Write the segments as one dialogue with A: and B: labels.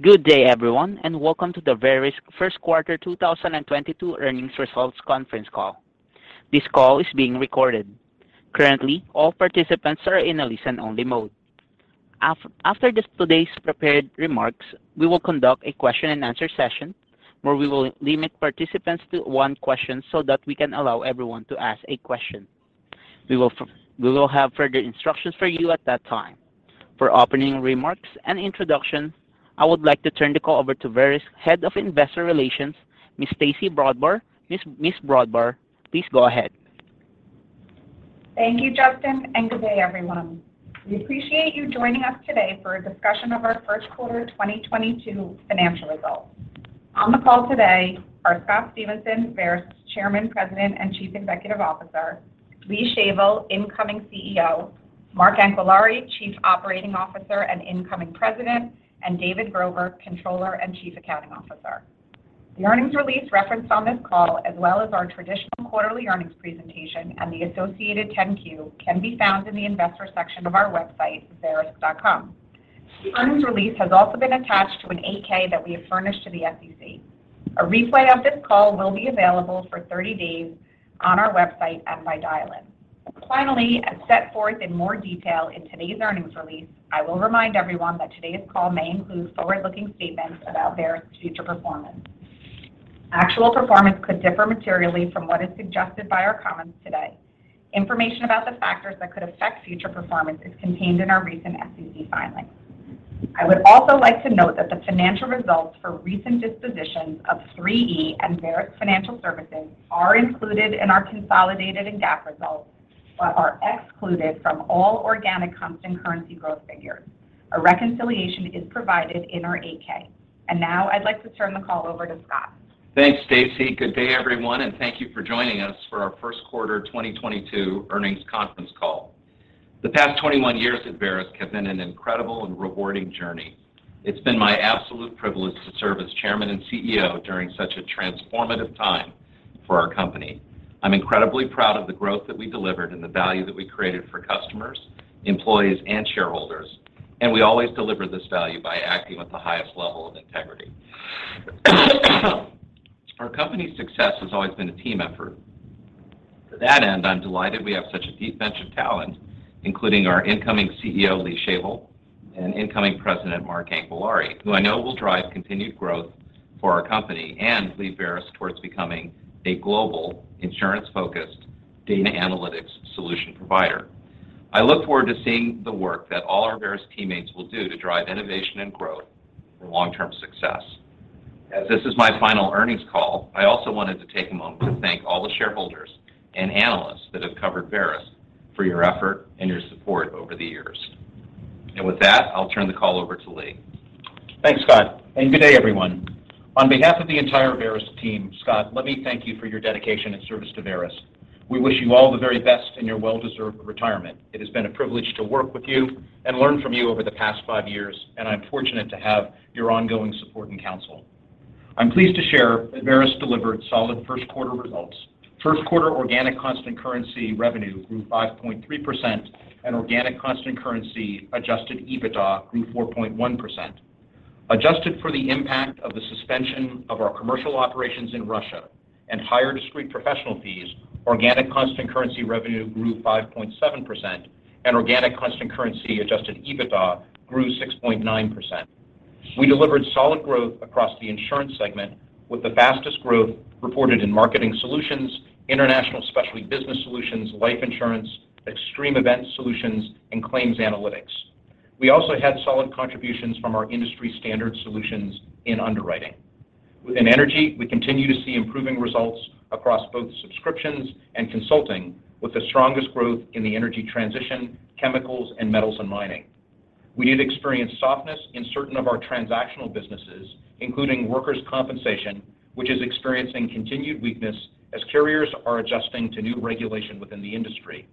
A: Good day, everyone, and welcome to the Verisk first quarter 2022 Earnings Results Conference Call. This call is being recorded. Currently, all participants are in a listen-only mode. After today's prepared remarks, we will conduct a question-and-answer session where we will limit participants to one question so that we can allow everyone to ask a question. We will have further instructions for you at that time. For opening remarks and introductions, I would like to turn the call over to Verisk Head of Investor Relations, Miss Stacey Brodbar. Miss Brodbar, please go ahead.
B: Thank you, Justin, and good day everyone. We appreciate you joining us today for a discussion of our first quarter 2022 financial results. On the call today are Scott Stephenson, Verisk's Chairman, President, and Chief Executive Officer, Lee Shavel, Incoming CEO, Mark Anquillare, Chief Operating Officer and Incoming President, and David Grover, Controller and Chief Accounting Officer. The earnings release referenced on this call, as well as our traditional quarterly earnings presentation and the associated 10-Q can be found in the Investor section of our website, verisk.com. The earnings release has also been attached to an 8-K that we have furnished to the SEC. A replay of this call will be available for 30 days on our website and by dial-in. Finally, as set forth in more detail in today's earnings release, I will remind everyone that today's call may include forward-looking statements about Verisk's future performance. Actual performance could differ materially from what is suggested by our comments today. Information about the factors that could affect future performance is contained in our recent SEC filings. I would also like to note that the financial results for recent dispositions of 3E and Verisk Financial Services are included in our consolidated and GAAP results, but are excluded from all organic constant currency growth figures. A reconciliation is provided in our 8-K. Now I'd like to turn the call over to Scott.
C: Thanks, Stacey. Good day, everyone, and thank you for joining us for our first quarter 2022 earnings conference call. The past 21 years at Verisk have been an incredible and rewarding journey. It's been my absolute privilege to serve as chairman and CEO during such a transformative time for our company. I'm incredibly proud of the growth that we delivered and the value that we created for customers, employees, and shareholders, and we always deliver this value by acting with the highest level of integrity. Our company's success has always been a team effort. To that end, I'm delighted we have such a deep bench of talent, including our incoming CEO, Lee Shavel, and incoming president, Mark Anquillare, who I know will drive continued growth for our company and lead Verisk towards becoming a global insurance-focused data analytics solution provider. I look forward to seeing the work that all our Verisk teammates will do to drive innovation and growth for long-term success. As this is my final earnings call, I also wanted to take a moment to thank all the shareholders and analysts that have covered Verisk for your effort and your support over the years. With that, I'll turn the call over to Lee.
D: Thanks, Scott, and good day everyone. On behalf of the entire Verisk team, Scott, let me thank you for your dedication and service to Verisk. We wish you all the very best in your well-deserved retirement. It has been a privilege to work with you and learn from you over the past five years, and I'm fortunate to have your ongoing support and counsel. I'm pleased to share that Verisk delivered solid first quarter results. First quarter organic constant currency revenue grew 5.3% and organic constant currency Adjusted EBITDA grew 4.1%. Adjusted for the impact of the suspension of our commercial operations in Russia and higher discrete professional fees, organic constant currency revenue grew 5.7% and organic constant currency Adjusted EBITDA grew 6.9%. We delivered solid growth across the Insurance segment with the fastest growth reported in Marketing Solutions, International Specialty Business Solutions, Life Insurance, Extreme Event Solutions, and Claims Analytics. We also had solid contributions from our industry standard solutions in underwriting. Within Energy, we continue to see improving results across both subscriptions and consulting with the strongest growth in the energy transition, chemicals, and metals and mining. We did experience softness in certain of our transactional businesses, including workers' compensation, which is experiencing continued weakness as carriers are adjusting to new regulation within the industry.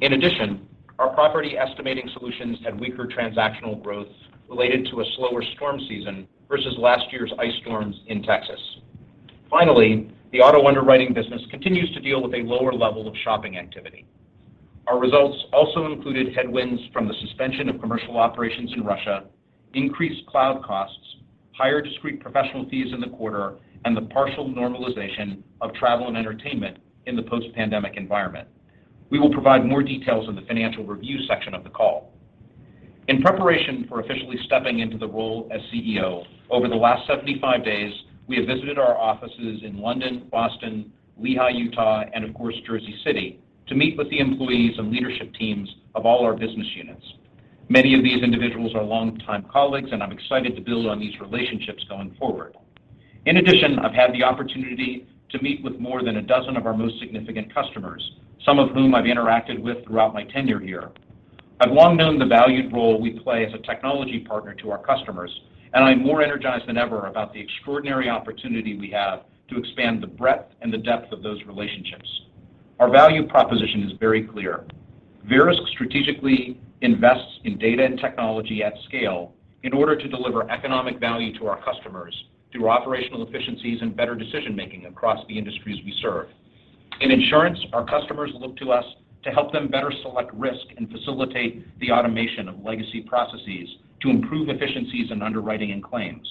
D: In addition, our Property Estimating Solutions had weaker transactional growth related to a slower storm season versus last year's ice storms in Texas. Finally, the Auto Underwriting business continues to deal with a lower level of shopping activity. Our results also included headwinds from the suspension of commercial operations in Russia, increased cloud costs, higher discrete professional fees in the quarter, and the partial normalization of travel and entertainment in the post-pandemic environment. We will provide more details in the financial review section of the call. In preparation for officially stepping into the role as CEO, over the last 75 days, we have visited our offices in London, Boston, Lehi, Utah, and of course, Jersey City, to meet with the employees and leadership teams of all our business units. Many of these individuals are longtime colleagues, and I'm excited to build on these relationships going forward. In addition, I've had the opportunity to meet with more than 12 of our most significant customers, some of whom I've interacted with throughout my tenure here. I've long known the valued role we play as a technology partner to our customers, and I'm more energized than ever about the extraordinary opportunity we have to expand the breadth and the depth of those relationships. Our value proposition is very clear. Verisk strategically invests in data and technology at scale in order to deliver economic value to our customers through operational efficiencies and better decision making across the industries we serve. In Insurance, our customers look to us to help them better select risk and facilitate the automation of legacy processes to improve efficiencies in underwriting and claims.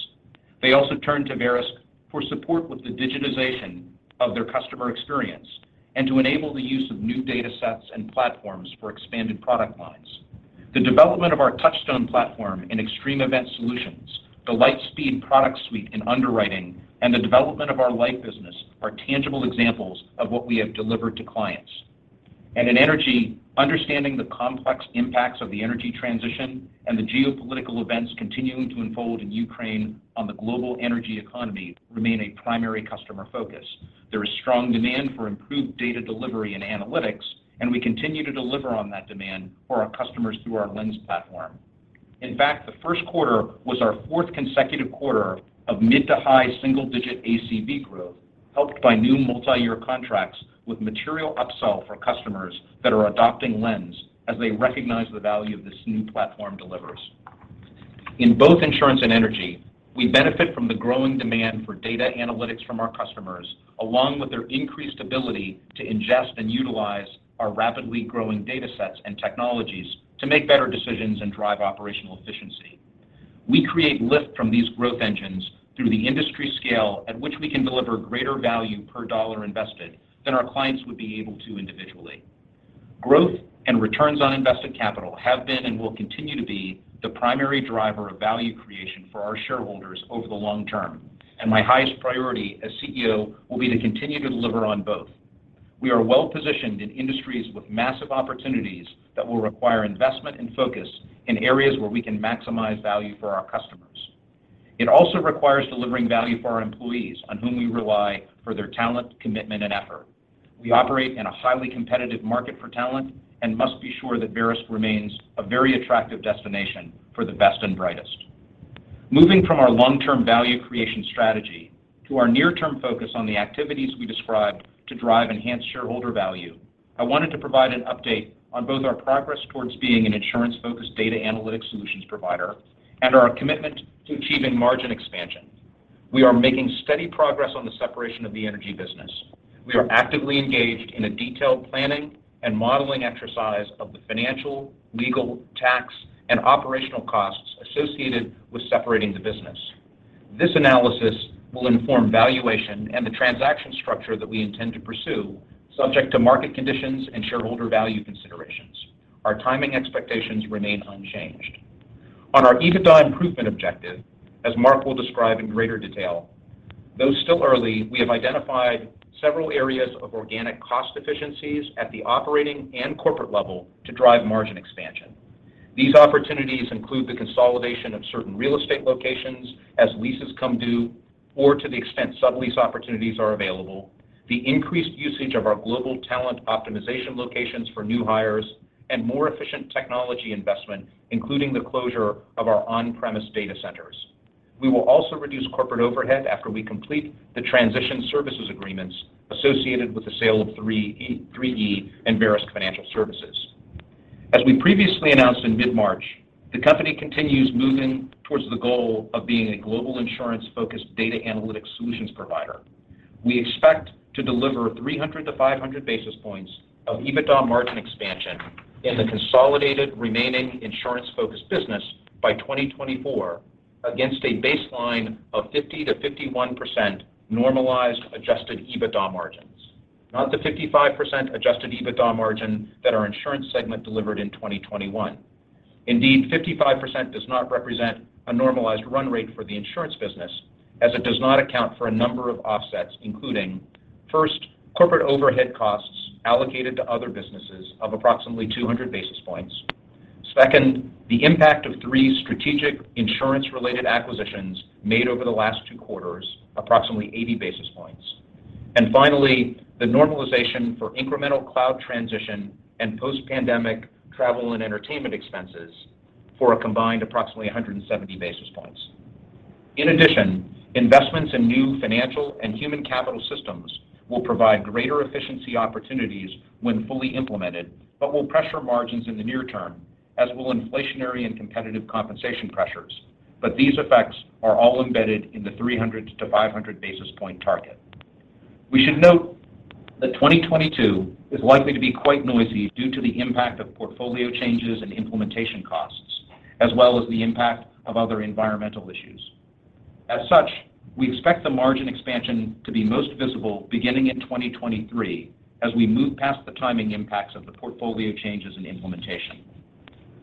D: They also turn to Verisk for support with the digitization of their customer experience and to enable the use of new data sets and platforms for expanded product lines. The development of our Touchstone platform and Extreme Event Solutions, the Lightspeed product suite in underwriting, and the development of our life business are tangible examples of what we have delivered to clients. In Energy, understanding the complex impacts of the energy transition and the geopolitical events continuing to unfold in Ukraine on the global energy economy remain a primary customer focus. There is strong demand for improved data delivery and analytics, and we continue to deliver on that demand for our customers through our Lens platform. In fact, the first quarter was our fourth consecutive quarter of mid- to high-single-digit ACV growth, helped by new multi-year contracts with material upsell for customers that are adopting Lens as they recognize the value of this new platform delivers. In both Insurance and Energy, we benefit from the growing demand for data analytics from our customers, along with their increased ability to ingest and utilize our rapidly growing data sets and technologies to make better decisions and drive operational efficiency. We create lift from these growth engines through the industry scale at which we can deliver greater value per dollar invested than our clients would be able to individually. Growth and returns on invested capital have been and will continue to be the primary driver of value creation for our shareholders over the long term, and my highest priority as CEO will be to continue to deliver on both. We are well-positioned in industries with massive opportunities that will require investment and focus in areas where we can maximize value for our customers. It also requires delivering value for our employees on whom we rely for their talent, commitment and effort. We operate in a highly competitive market for talent and must be sure that Verisk remains a very attractive destination for the best and brightest. Moving from our long term value creation strategy to our near-term focus on the activities we described to drive enhanced shareholder value, I wanted to provide an update on both our progress towards being an insurance focused data analytics solutions provider and our commitment to achieving margin expansion. We are making steady progress on the separation of the Energy business. We are actively engaged in a detailed planning and modeling exercise of the financial, legal, tax and operational costs associated with separating the business. This analysis will inform valuation and the transaction structure that we intend to pursue, subject to market conditions and shareholder value considerations. Our timing expectations remain unchanged. On our EBITDA improvement objective, as Mark will describe in greater detail, though still early, we have identified several areas of organic cost efficiencies at the operating and corporate level to drive margin expansion. These opportunities include the consolidation of certain real estate locations as leases come due or to the extent sublease opportunities are available, the increased usage of our global talent optimization locations for new hires and more efficient technology investment, including the closure of our on-premise data centers. We will also reduce corporate overhead after we complete the transition services agreements associated with the sale of 3E and Verisk Financial Services. As we previously announced in mid-March, the company continues moving towards the goal of being a global insurance-focused data analytics solutions provider. We expect to deliver 300-500 basis points of EBITDA margin expansion in the consolidated remaining insurance focused business by 2024, against a baseline of 50%-51% normalized Adjusted EBITDA margins, not the 55% Adjusted EBITDA margin that our Insurance segment delivered in 2021. Indeed, 55% does not represent a normalized run rate for the Insurance business as it does not account for a number of offsets, including, first, corporate overhead costs allocated to other businesses of approximately 200 basis points. Second, the impact of three strategic Insurance related acquisitions made over the last two quarters, approximately 80 basis points. And finally, the normalization for incremental cloud transition and post-pandemic travel and entertainment expenses for a combined approximately 170 basis points. In addition, investments in new financial and human capital systems will provide greater efficiency opportunities when fully implemented, but will pressure margins in the near term, as will inflationary and competitive compensation pressures. These effects are all embedded in the 300-500 basis point target. We should note that 2022 is likely to be quite noisy due to the impact of portfolio changes and implementation costs, as well as the impact of other environmental issues. As such, we expect the margin expansion to be most visible beginning in 2023 as we move past the timing impacts of the portfolio changes and implementation.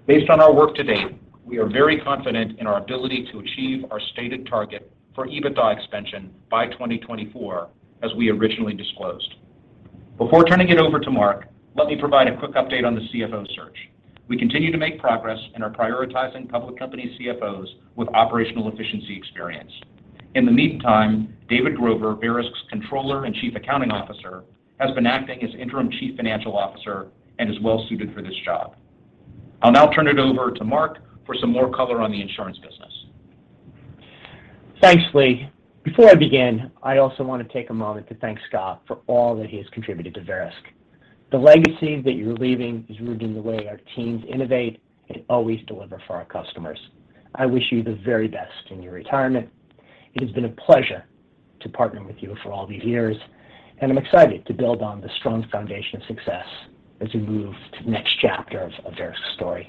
D: Based on our work to date, we are very confident in our ability to achieve our stated target for EBITDA expansion by 2024 as we originally disclosed. Before turning it over to Mark, let me provide a quick update on the CFO search. We continue to make progress and are prioritizing public company CFOs with operational efficiency experience. In the meantime, David Grover, Verisk's Controller and Chief Accounting Officer, has been acting as Interim Chief Financial Officer and is well suited for this job. I'll now turn it over to Mark for some more color on the Insurance business.
E: Thanks, Lee. Before I begin, I also want to take a moment to thank Scott for all that he has contributed to Verisk. The legacy that you're leaving is rooted in the way our teams innovate and always deliver for our customers. I wish you the very best in your retirement. It has been a pleasure to partner with you for all these years, and I'm excited to build on the strong foundation of success as we move to the next chapter of Verisk's story.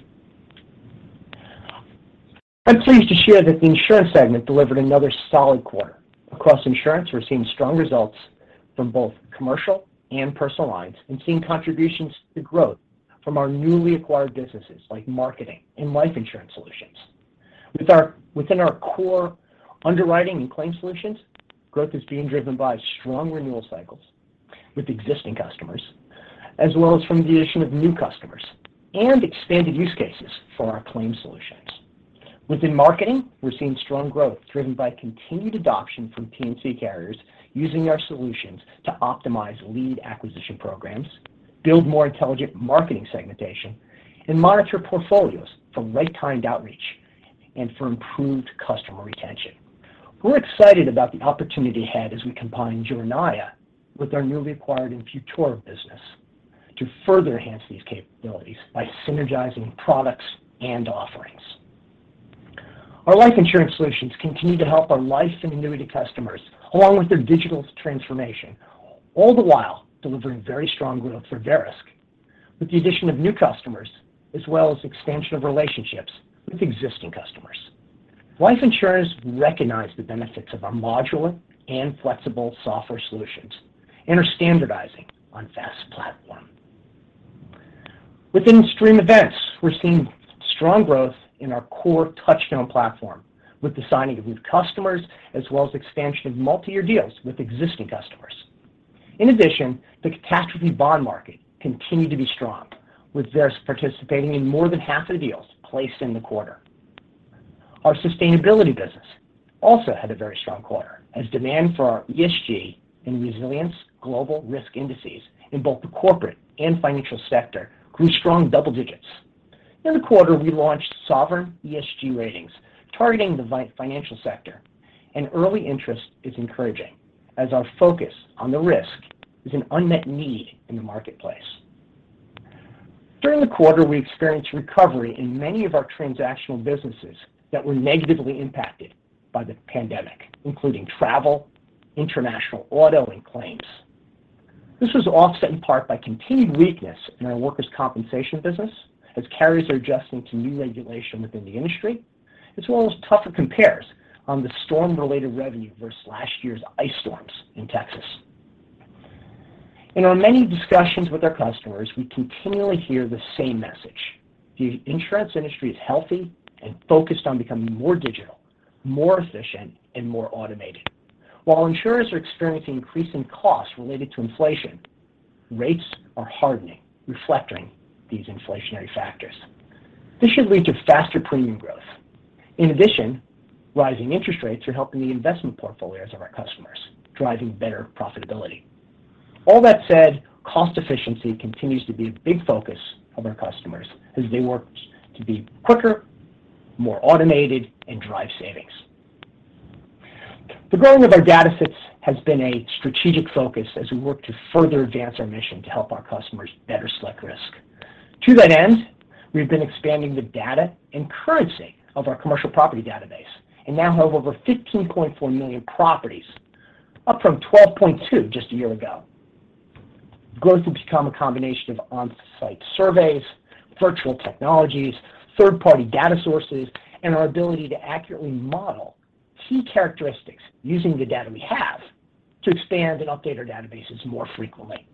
E: I'm pleased to share that the Insurance segment delivered another solid quarter. Across Insurance, we're seeing strong results from both commercial and personal lines and seeing contributions to growth from our newly acquired businesses like marketing and life insurance solutions. Within our core underwriting and claim solutions, growth is being driven by strong renewal cycles with existing customers, as well as from the addition of new customers and expanded use cases for our claim solutions. Within marketing, we're seeing strong growth driven by continued adoption from P&C carriers using our solutions to optimize lead acquisition programs, build more intelligent marketing segmentation, and monitor portfolios for right-timed outreach and for improved customer retention. We're excited about the opportunity ahead as we combine Jornaya with our newly acquired Infutor business to further enhance these capabilities by synergizing products and offerings. Our life insurance solutions continue to help our life and annuity customers along with their digital transformation, all the while delivering very strong growth for Verisk with the addition of new customers as well as expansion of relationships with existing customers. Life insurers recognize the benefits of our modular and flexible software solutions and are standardizing on FAST platform. Within Extreme Event Solutions, we're seeing strong growth in our core Touchstone platform with the signing of new customers as well as expansion of multi-year deals with existing customers. In addition, the catastrophe bond market continued to be strong, with Verisk participating in more than half of the deals placed in the quarter. Our sustainability business also had a very strong quarter as demand for our ESG and Resilience Global Risk Indices in both the corporate and financial sector grew strong double digits. In the quarter, we launched Sovereign ESG Ratings targeting the financial sector, and early interest is encouraging as our focus on the risk is an unmet need in the marketplace. During the quarter, we experienced recovery in many of our transactional businesses that were negatively impacted by the pandemic, including travel, international auto, and claims. This was offset in part by continued weakness in our workers' compensation business as carriers are adjusting to new regulation within the industry, as well as tougher compares on the storm-related revenue versus last year's ice storms in Texas. In our many discussions with our customers, we continually hear the same message. The insurance industry is healthy and focused on becoming more digital, more efficient, and more automated. While insurers are experiencing increasing costs related to inflation, rates are hardening, reflecting these inflationary factors. This should lead to faster premium growth. In addition, rising interest rates are helping the investment portfolios of our customers, driving better profitability. All that said, cost efficiency continues to be a big focus of our customers as they work to be quicker, more automated, and drive savings. The growing of our datasets has been a strategic focus as we work to further advance our mission to help our customers better select risk. To that end, we've been expanding the data and currency of our commercial property database and now have over 15.4 million properties, up from 12.2 just a year ago. Growth has become a combination of on-site surveys, virtual technologies, third-party data sources, and our ability to accurately model key characteristics using the data we have to expand and update our databases more frequently.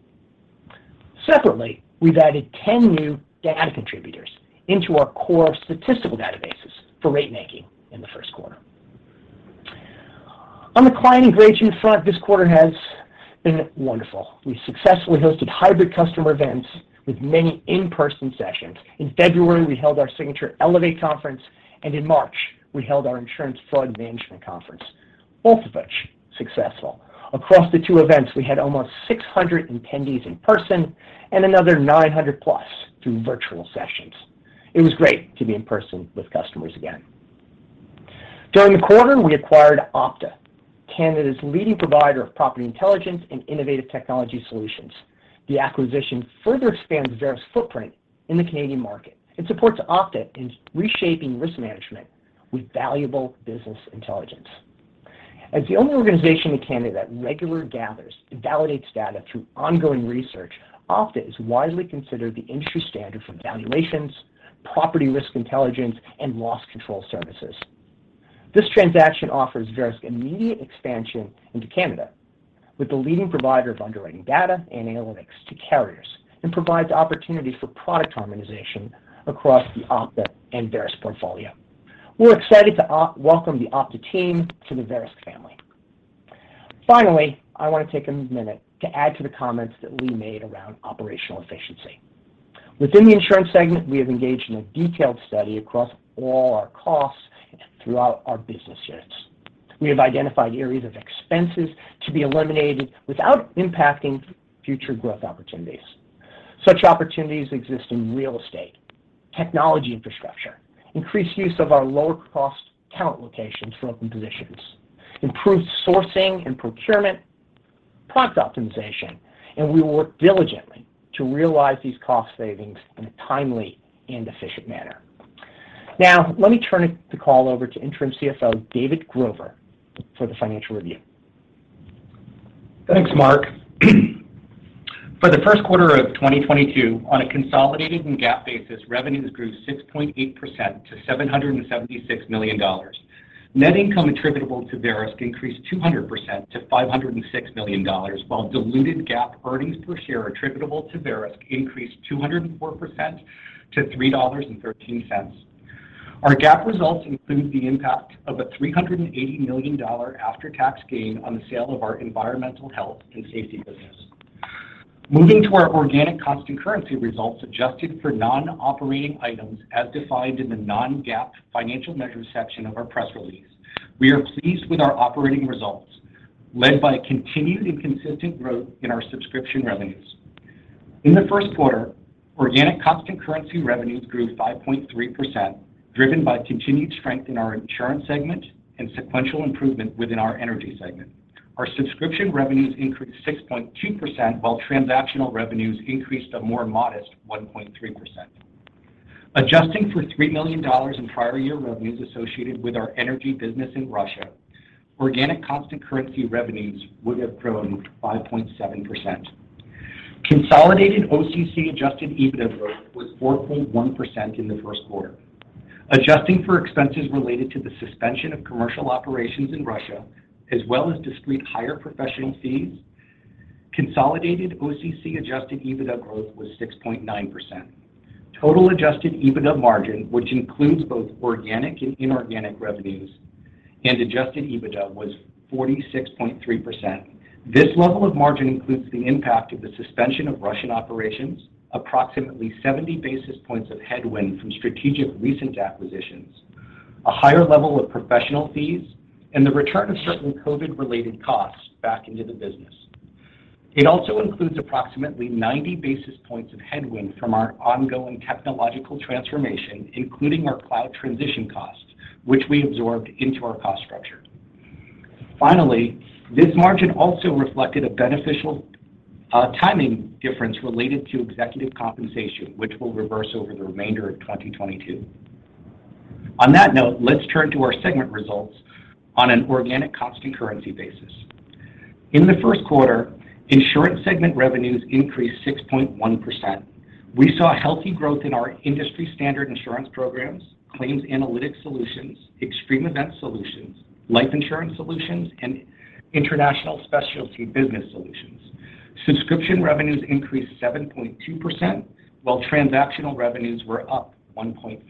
E: Separately, we've added 10 new data contributors into our core statistical databases for rate making in the first quarter. On the client engagement front, this quarter has been wonderful. We successfully hosted hybrid customer events with many in-person sessions. In February, we held our signature Elevate conference, and in March, we held our insurance fraud management conference, both of which successful. Across the two events, we had almost 600 attendees in person and another 900+ through virtual sessions. It was great to be in person with customers again. During the quarter, we acquired Opta, Canada's leading provider of property intelligence and innovative technology solutions. The acquisition further expands Verisk's footprint in the Canadian market and supports Opta in reshaping risk management with valuable business intelligence. As the only organization in Canada that regularly gathers and validates data through ongoing research, Opta is widely considered the industry standard for valuations, property risk intelligence, and loss control services. This transaction offers Verisk immediate expansion into Canada with the leading provider of underwriting data and analytics to carriers and provides opportunities for product harmonization across the Opta and Verisk portfolio. We're excited to welcome the Opta team to the Verisk family. Finally, I want to take a minute to add to the comments that Lee made around operational efficiency. Within the Insurance segment, we have engaged in a detailed study across all our costs and throughout our business units. We have identified areas of expenses to be eliminated without impacting future growth opportunities. Such opportunities exist in real estate, technology infrastructure, increased use of our lower cost talent locations for open positions, improved sourcing and procurement, product optimization, and we will work diligently to realize these cost savings in a timely and efficient manner. Now let me turn the call over to Interim CFO, David Grover for the financial review.
F: Thanks, Mark. For the first quarter of 2022, on a consolidated and GAAP basis, revenues grew 6.8% to $776 million. Net income attributable to Verisk increased 200% to $506 million, while diluted GAAP earnings per share attributable to Verisk increased 204% to $3.13. Our GAAP results include the impact of a $380 million after-tax gain on the sale of our environmental health and safety business. Moving to our organic constant currency results, adjusted for non-operating items as defined in the non-GAAP financial measures section of our press release, we are pleased with our operating results led by continued and consistent growth in our subscription revenues. In the first quarter, organic constant currency revenues grew 5.3%, driven by continued strength in our Insurance segment and sequential improvement within our Energy segment. Our subscription revenues increased 6.2%, while transactional revenues increased a more modest 1.3%. Adjusting for $3 million in prior year revenues associated with our Energy business in Russia, organic constant currency revenues would have grown 5.7%. Consolidated OCC Adjusted EBITDA growth was 4.1% in the first quarter. Adjusting for expenses related to the suspension of commercial operations in Russia, as well as discrete higher professional fees, consolidated OCC Adjusted EBITDA growth was 6.9%. Total Adjusted EBITDA margin, which includes both organic and inorganic revenues and Adjusted EBITDA, was 46.3%. This level of margin includes the impact of the suspension of Russian operations, approximately 70 basis points of headwind from strategic recent acquisitions, a higher level of professional fees, and the return of certain COVID related costs back into the business. It also includes approximately 90 basis points of headwind from our ongoing technological transformation, including our cloud transition costs, which we absorbed into our cost structure. Finally, this margin also reflected a beneficial timing difference related to executive compensation, which will reverse over the remainder of 2022. On that note, let's turn to our segment results on an organic constant currency basis. In the first quarter, Insurance segment revenues increased 6.1%. We saw healthy growth in our industry standard insurance programs, claims analytic solutions, Extreme Event Solutions, life insurance solutions, and international specialty business solutions. Subscription revenues increased 7.2%, while transactional revenues were up 1.3%.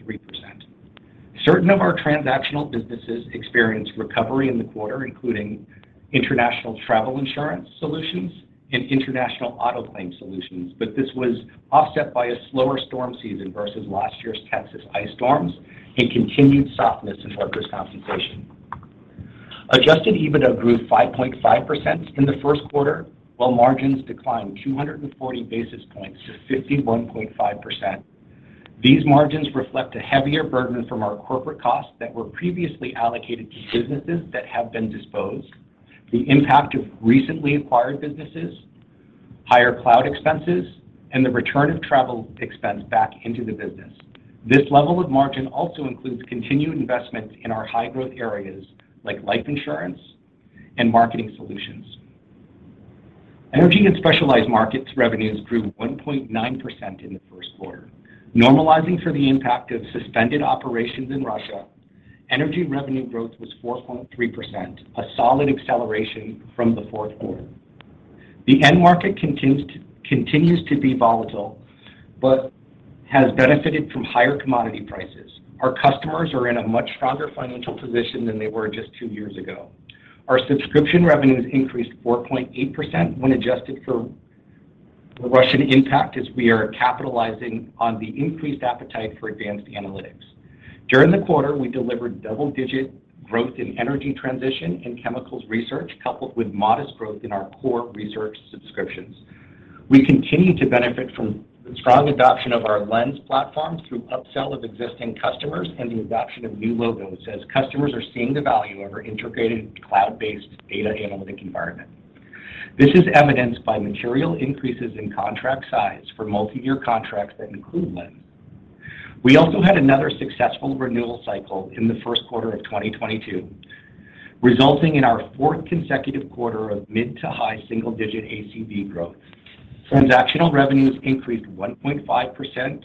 F: Certain of our transactional businesses experienced recovery in the quarter, including international travel insurance solutions and international auto claim solutions. This was offset by a slower storm season versus last year's Texas ice storms and continued softness in workers' compensation. Adjusted EBITDA grew 5.5% in the first quarter, while margins declined 240 basis points to 51.5%. These margins reflect a heavier burden from our corporate costs that were previously allocated to businesses that have been disposed, the impact of recently acquired businesses, higher cloud expenses, and the return of travel expense back into the business. This level of margin also includes continued investments in our high growth areas like life insurance and marketing solutions. Energy and specialized markets revenues grew 1.9% in the first quarter. Normalizing for the impact of suspended operations in Russia, Energy revenue growth was 4.3%, a solid acceleration from the fourth quarter. The end market continues to be volatile, but has benefited from higher commodity prices. Our customers are in a much stronger financial position than they were just two years ago. Our subscription revenues increased 4.8% when adjusted for the Russian impact, as we are capitalizing on the increased appetite for advanced analytics. During the quarter, we delivered double-digit growth in energy transition and chemicals research, coupled with modest growth in our core research subscriptions. We continue to benefit from strong adoption of our Lens platform through upsell of existing customers and the adoption of new logos as customers are seeing the value of our integrated cloud-based data analytics environment. This is evidenced by material increases in contract size for multiyear contracts that include Lens. We also had another successful renewal cycle in the first quarter of 2022, resulting in our fourth consecutive quarter of mid- to high-single-digit ACV growth. Transactional revenues increased 1.5%,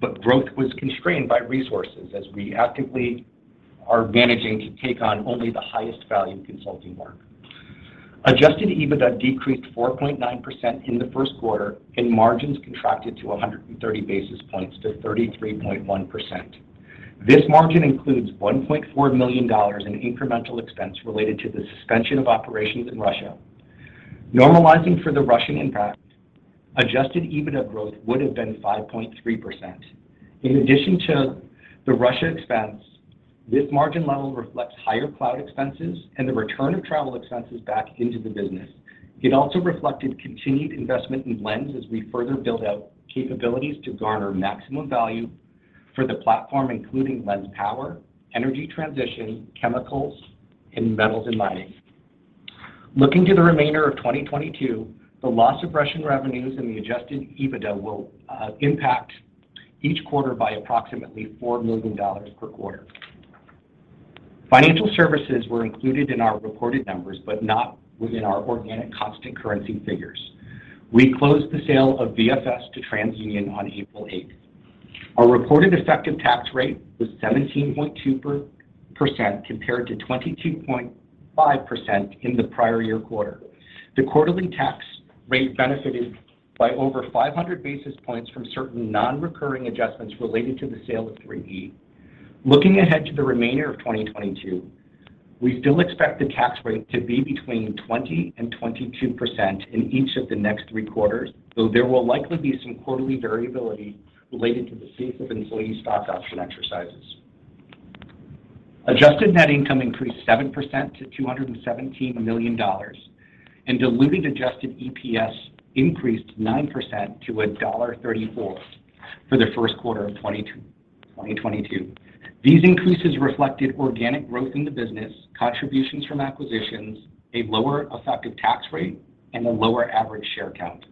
F: but growth was constrained by resources as we actively are managing to take on only the highest value consulting work. Adjusted EBITDA decreased 4.9% in the first quarter, and margins contracted by 130 basis points to 33.1%. This margin includes $1.4 million in incremental expense related to the suspension of operations in Russia. Normalizing for the Russian impact, Adjusted EBITDA growth would have been 5.3%. In addition to the Russia expense, this margin level reflects higher cloud expenses and the return of travel expenses back into the business. It also reflected continued investment in Lens as we further build out capabilities to garner maximum value for the platform, including Lens Power, energy transition, chemicals, and metals and mining. Looking to the remainder of 2022, the loss of Russian revenues and the Adjusted EBITDA will impact each quarter by approximately $4 million per quarter. Financial services were included in our reported numbers but not within our organic constant currency figures. We closed the sale of VFS to TransUnion on April 8. Our reported effective tax rate was 17.2% compared to 22.5% in the prior year quarter. The quarterly tax rate benefited by over 500 basis points from certain non-recurring adjustments related to the sale of 3E. Looking ahead to the remainder of 2022, we still expect the tax rate to be between 20%-22% in each of the next three quarters, though there will likely be some quarterly variability related to the cease of employee stock option exercises. Adjusted net income increased 7% to $217 million, and diluted adjusted EPS increased 9% to $1.34 for the first quarter of 2022. These increases reflected organic growth in the business, contributions from acquisitions, a lower effective tax rate, and a lower average share count.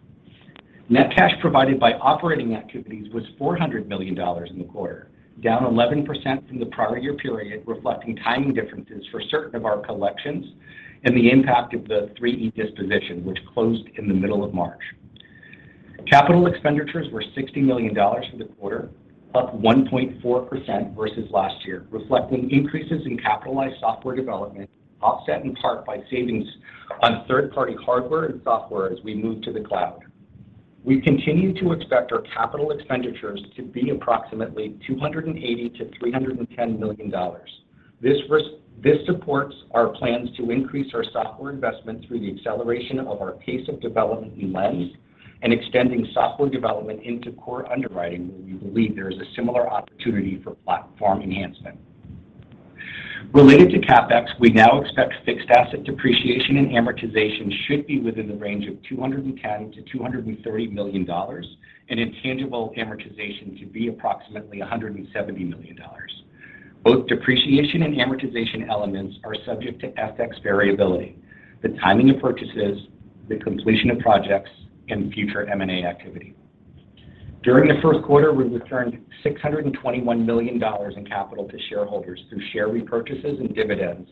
F: Net cash provided by operating activities was $400 million in the quarter, down 11% from the prior year period, reflecting timing differences for certain of our collections and the impact of the 3E disposition, which closed in the middle of March. Capital expenditures were $60 million for the quarter, up 1.4% versus last year, reflecting increases in capitalized software development, offset in part by savings on third-party hardware and software as we move to the cloud. We continue to expect our capital expenditures to be approximately $280 million-$310 million. This supports our plans to increase our software investment through the acceleration of our pace of development in Lens and extending software development into core underwriting, where we believe there is a similar opportunity for platform enhancement. Related to CapEx, we now expect fixed asset depreciation and amortization should be within the range of $210 million-$230 million and intangible amortization to be approximately $170 million. Both depreciation and amortization elements are subject to FX variability, the timing of purchases, the completion of projects, and future M&A activity. During the first quarter, we returned $621 million in capital to shareholders through share repurchases and dividends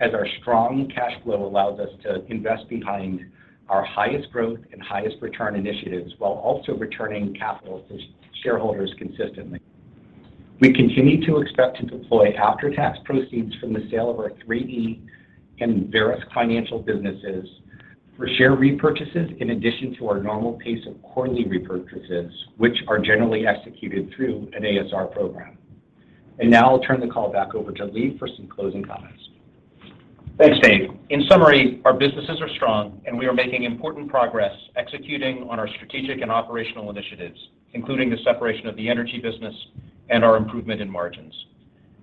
F: as our strong cash flow allows us to invest behind our highest growth and highest return initiatives while also returning capital to shareholders consistently. We continue to expect to deploy after-tax proceeds from the sale of our 3E and Verisk Financial Services businesses for share repurchases in addition to our normal pace of quarterly repurchases, which are generally executed through an ASR program. Now I'll turn the call back over to Lee for some closing comments.
D: Thanks, Dave. In summary, our businesses are strong, and we are making important progress executing on our strategic and operational initiatives, including the separation of the Energy business and our improvement in margins.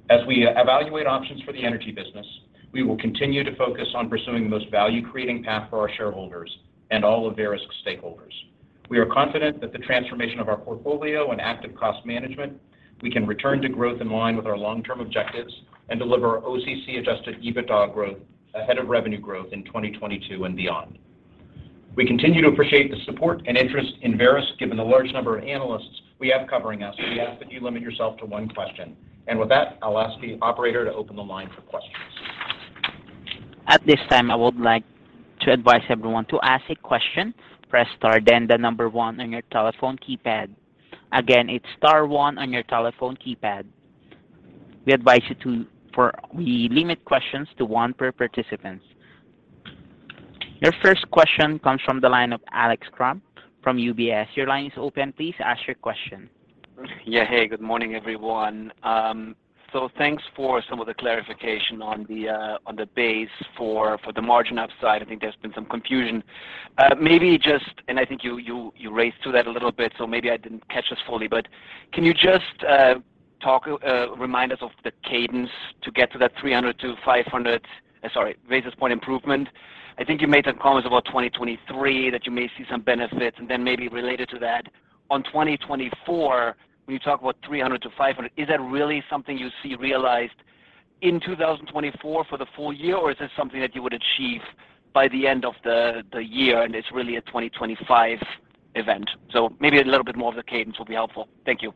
D: As we evaluate options for the Energy business, we will continue to focus on pursuing the most value-creating path for our shareholders and all of Verisk's stakeholders. We are confident that the transformation of our portfolio and active cost management. We can return to growth in line with our long-term objectives and deliver OCC-Adjusted EBITDA growth ahead of revenue growth in 2022 and beyond. We continue to appreciate the support and interest in Verisk, given the large number of analysts we have covering us. We ask that you limit yourself to one question. With that, I'll ask the operator to open the line for questions.
A: At this time, I would like to advise everyone to ask a question, press star, then the number one on your telephone keypad. Again, it's star one on your telephone keypad. We limit questions to one per participant. Your first question comes from the line of Alex Kramm from UBS. Your line is open. Please ask your question.
G: Yeah. Hey, good morning, everyone. Thanks for some of the clarification on the base for the margin upside. I think there's been some confusion. I think you raced through that a little bit, so maybe I didn't catch this fully. But can you just remind us of the cadence to get to that 300-500 basis point improvement? Sorry, I think you made some comments about 2023 that you may see some benefits. Then maybe related to that, on 2024, when you talk about 300-500, is that really something you see realized in 2024 for the full year, or is this something that you would achieve by the end of the year and it's really a 2025 event? Maybe a little bit more of the cadence will be helpful. Thank you.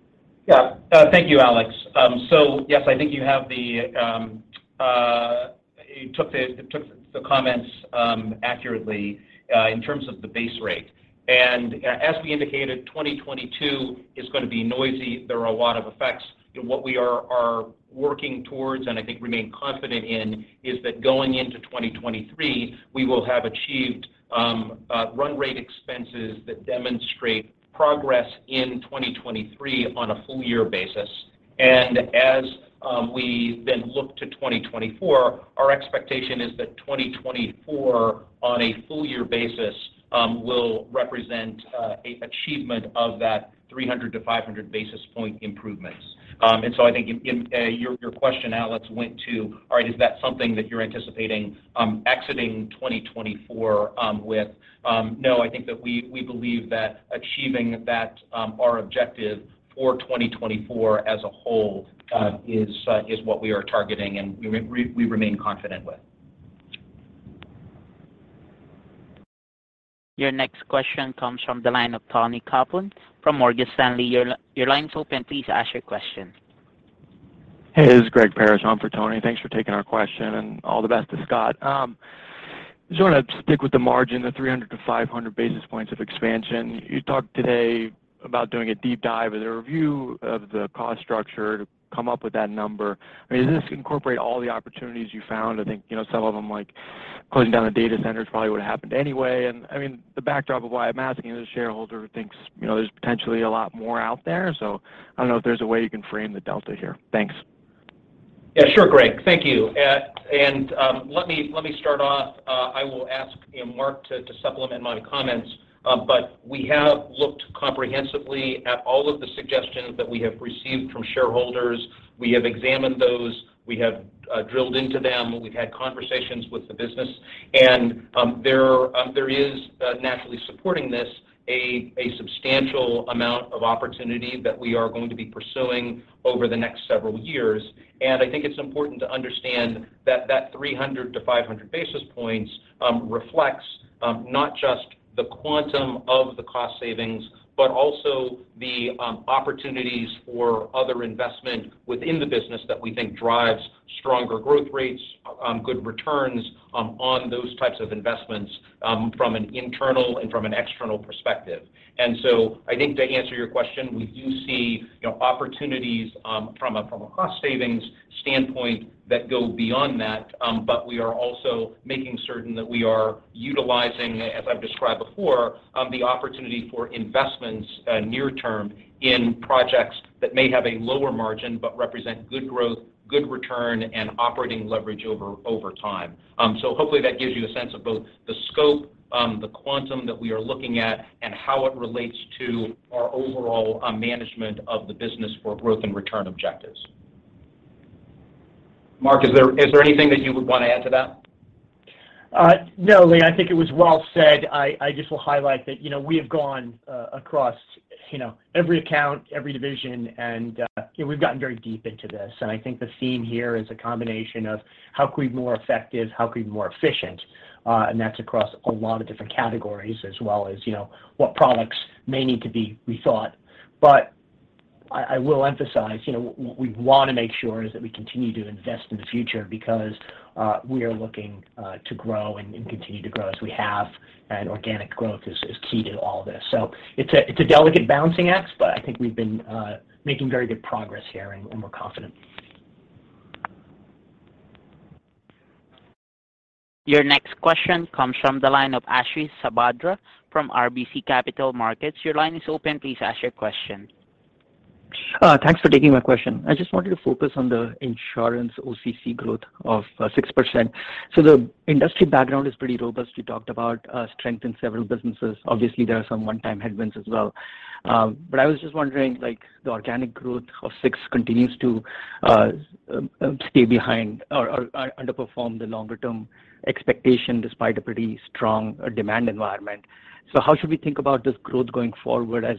D: Yeah. Thank you, Alex. Yes, I think you took the comments accurately in terms of the base rate. As we indicated, 2022 is gonna be noisy. There are a lot of effects. What we are working towards, and I think remain confident in, is that going into 2023, we will have achieved run rate expenses that demonstrate progress in 2023 on a full year basis. As we then look to 2024, our expectation is that 2024 on a full year basis will represent an achievement of that 300-500 basis points improvements. I think in your question, Alex, went to all right, is that something that you're anticipating exiting 2024 with? No, I think that we believe that achieving that, our objective for 2024 as a whole, is what we are targeting, and we remain confident with.
A: Your next question comes from the line of Toni Kaplan from Morgan Stanley. Your line's open. Please ask your question.
H: Hey, this is Greg Parrish on for Toni. Thanks for taking our question and all the best to Scott. Just wanna stick with the margin, the 300-500 basis points of expansion. You talked today about doing a deep dive of the review of the cost structure to come up with that number. I mean, does this incorporate all the opportunities you found? I think, you know, some of them, like closing down the data centers probably would have happened anyway. I mean, the backdrop of why I'm asking is a shareholder who thinks, you know, there's potentially a lot more out there. I don't know if there's a way you can frame the delta here. Thanks.
D: Yeah, sure, Greg. Thank you. Let me start off. I will ask, you know, Mark to supplement my comments. We have looked comprehensively at all of the suggestions that we have received from shareholders. We have examined those. We have drilled into them. We've had conversations with the business. There is, naturally, supporting this, a substantial amount of opportunity that we are going to be pursuing over the next several years. I think it's important to understand that 300-500 basis points reflects not just the quantum of the cost savings, but also the opportunities for other investment within the business that we think drives stronger growth rates, good returns on those types of investments, from an internal and from an external perspective. I think to answer your question, we do see, you know, opportunities from a cost savings standpoint that go beyond that. But we are also making certain that we are utilizing, as I've described before, the opportunity for investments near term in projects that may have a lower margin but represent good growth, good return, and operating leverage over time. So hopefully that gives you a sense of both the scope, the quantum that we are looking at and how it relates to our overall management of the business for growth and return objectives. Mark, is there anything that you would want to add to that?
E: No, Lee, I think it was well said. I just will highlight that, you know, we have gone across, you know, every account, every division, and, you know, we've gotten very deep into this. I think the theme here is a combination of how can we be more effective, how can we be more efficient, and that's across a lot of different categories as well as, you know, what products may need to be rethought. I will emphasize, you know, we wanna make sure is that we continue to invest in the future because we are looking to grow and continue to grow as we have, and organic growth is key to all this. It's a delicate balancing act, but I think we've been making very good progress here and we're confident.
A: Your next question comes from the line of Ashish Sabadra from RBC Capital Markets. Your line is open. Please ask your question.
I: Thanks for taking my question. I just wanted to focus on the Insurance OCC growth of 6%. So the industry background is pretty robust. You talked about strength in several businesses. Obviously, there are some one-time headwinds as well. But I was just wondering, like the organic growth of 6% continues to stay behind or underperform the longer term expectation despite a pretty strong demand environment. So how should we think about this growth going forward as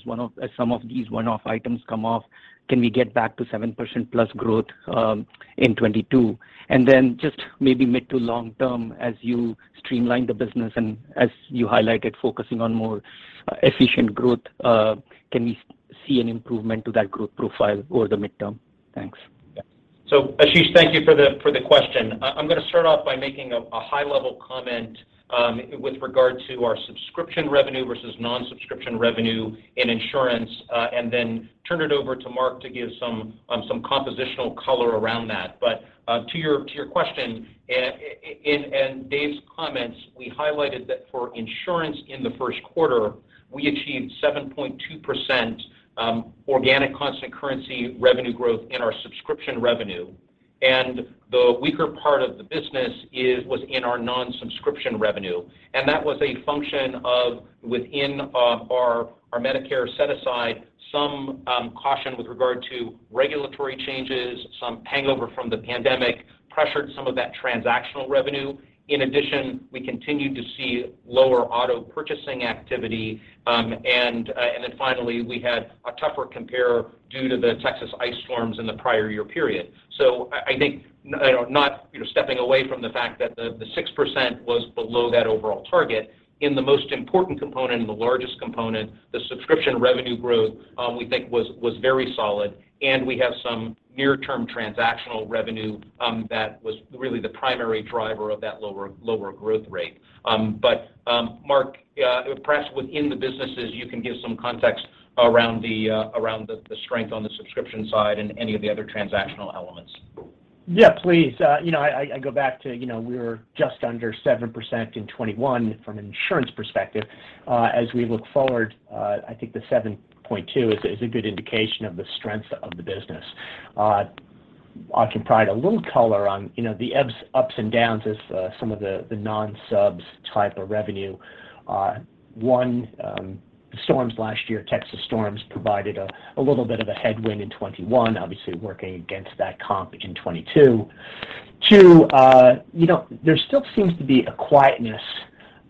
I: some of these one-off items come off? Can we get back to 7%+ growth in 2022? And then just maybe mid to long term as you streamline the business and as you highlighted, focusing on more efficient growth, can we see an improvement to that growth profile over the midterm? Thanks.
D: Ashish, thank you for the question. I'm gonna start off by making a high level comment with regard to our subscription revenue versus non-subscription revenue in Insurance, and then turn it over to Mark to give some compositional color around that. To your question and David's comments, we highlighted that for Insurance in the first quarter, we achieved 7.2% organic constant currency revenue growth in our subscription revenue. The weaker part of the business was in our non-subscription revenue, and that was a function of within our Medicare set aside some caution with regard to regulatory changes. Some hangover from the pandemic pressured some of that transactional revenue. In addition, we continued to see lower auto purchasing activity, and then finally, we had a tougher compare due to the Texas ice storms in the prior year period. I think, you know, not, you know, stepping away from the fact that the 6% was below that overall target. In the most important component and the largest component, the subscription revenue growth, we think was very solid, and we have some near-term transactional revenue that was really the primary driver of that lower growth rate. Mark, perhaps within the businesses you can give some context around the strength on the subscription side and any of the other transactional elements.
E: Yeah, please. You know, I go back to, you know, we were just under 7% in 2021 from an Insurance perspective. As we look forward, I think the 7.2% is a good indication of the strength of the business. I can provide a little color on, you know, the ebbs, ups, and downs as some of the non-subs type of revenue. One, storms last year, Texas storms provided a little bit of a headwind in 2021, obviously working against that comp in 2022. Two, you know, there still seems to be a quietness,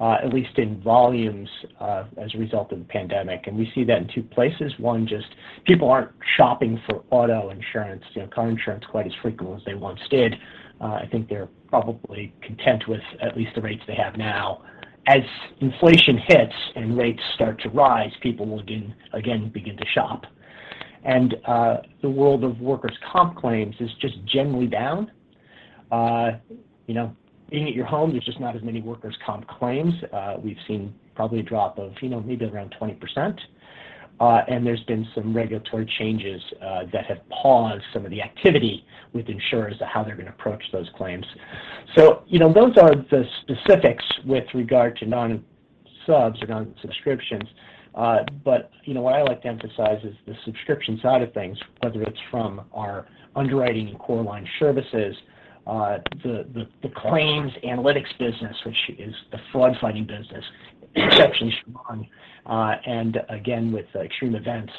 E: at least in volumes, as a result of the pandemic. We see that in two places. One, just people aren't shopping for auto insurance, you know, car insurance quite as frequent as they once did. I think they're probably content with at least the rates they have now. As inflation hits and rates start to rise, people will again begin to shop. The world of workers' comp claims is just generally down. You know, being at your home, there's just not as many workers' comp claims. We've seen probably a drop of, you know, maybe around 20%. There's been some regulatory changes that have paused some of the activity with insurers to how they're going to approach those claims. You know, those are the specifics with regard to non-subs or non-subscriptions. What I like to emphasize is the subscription side of things, whether it's from our underwriting and core line services, the claims analytics business, which is the fraud fighting business, exceptionally strong, and again, with extreme events,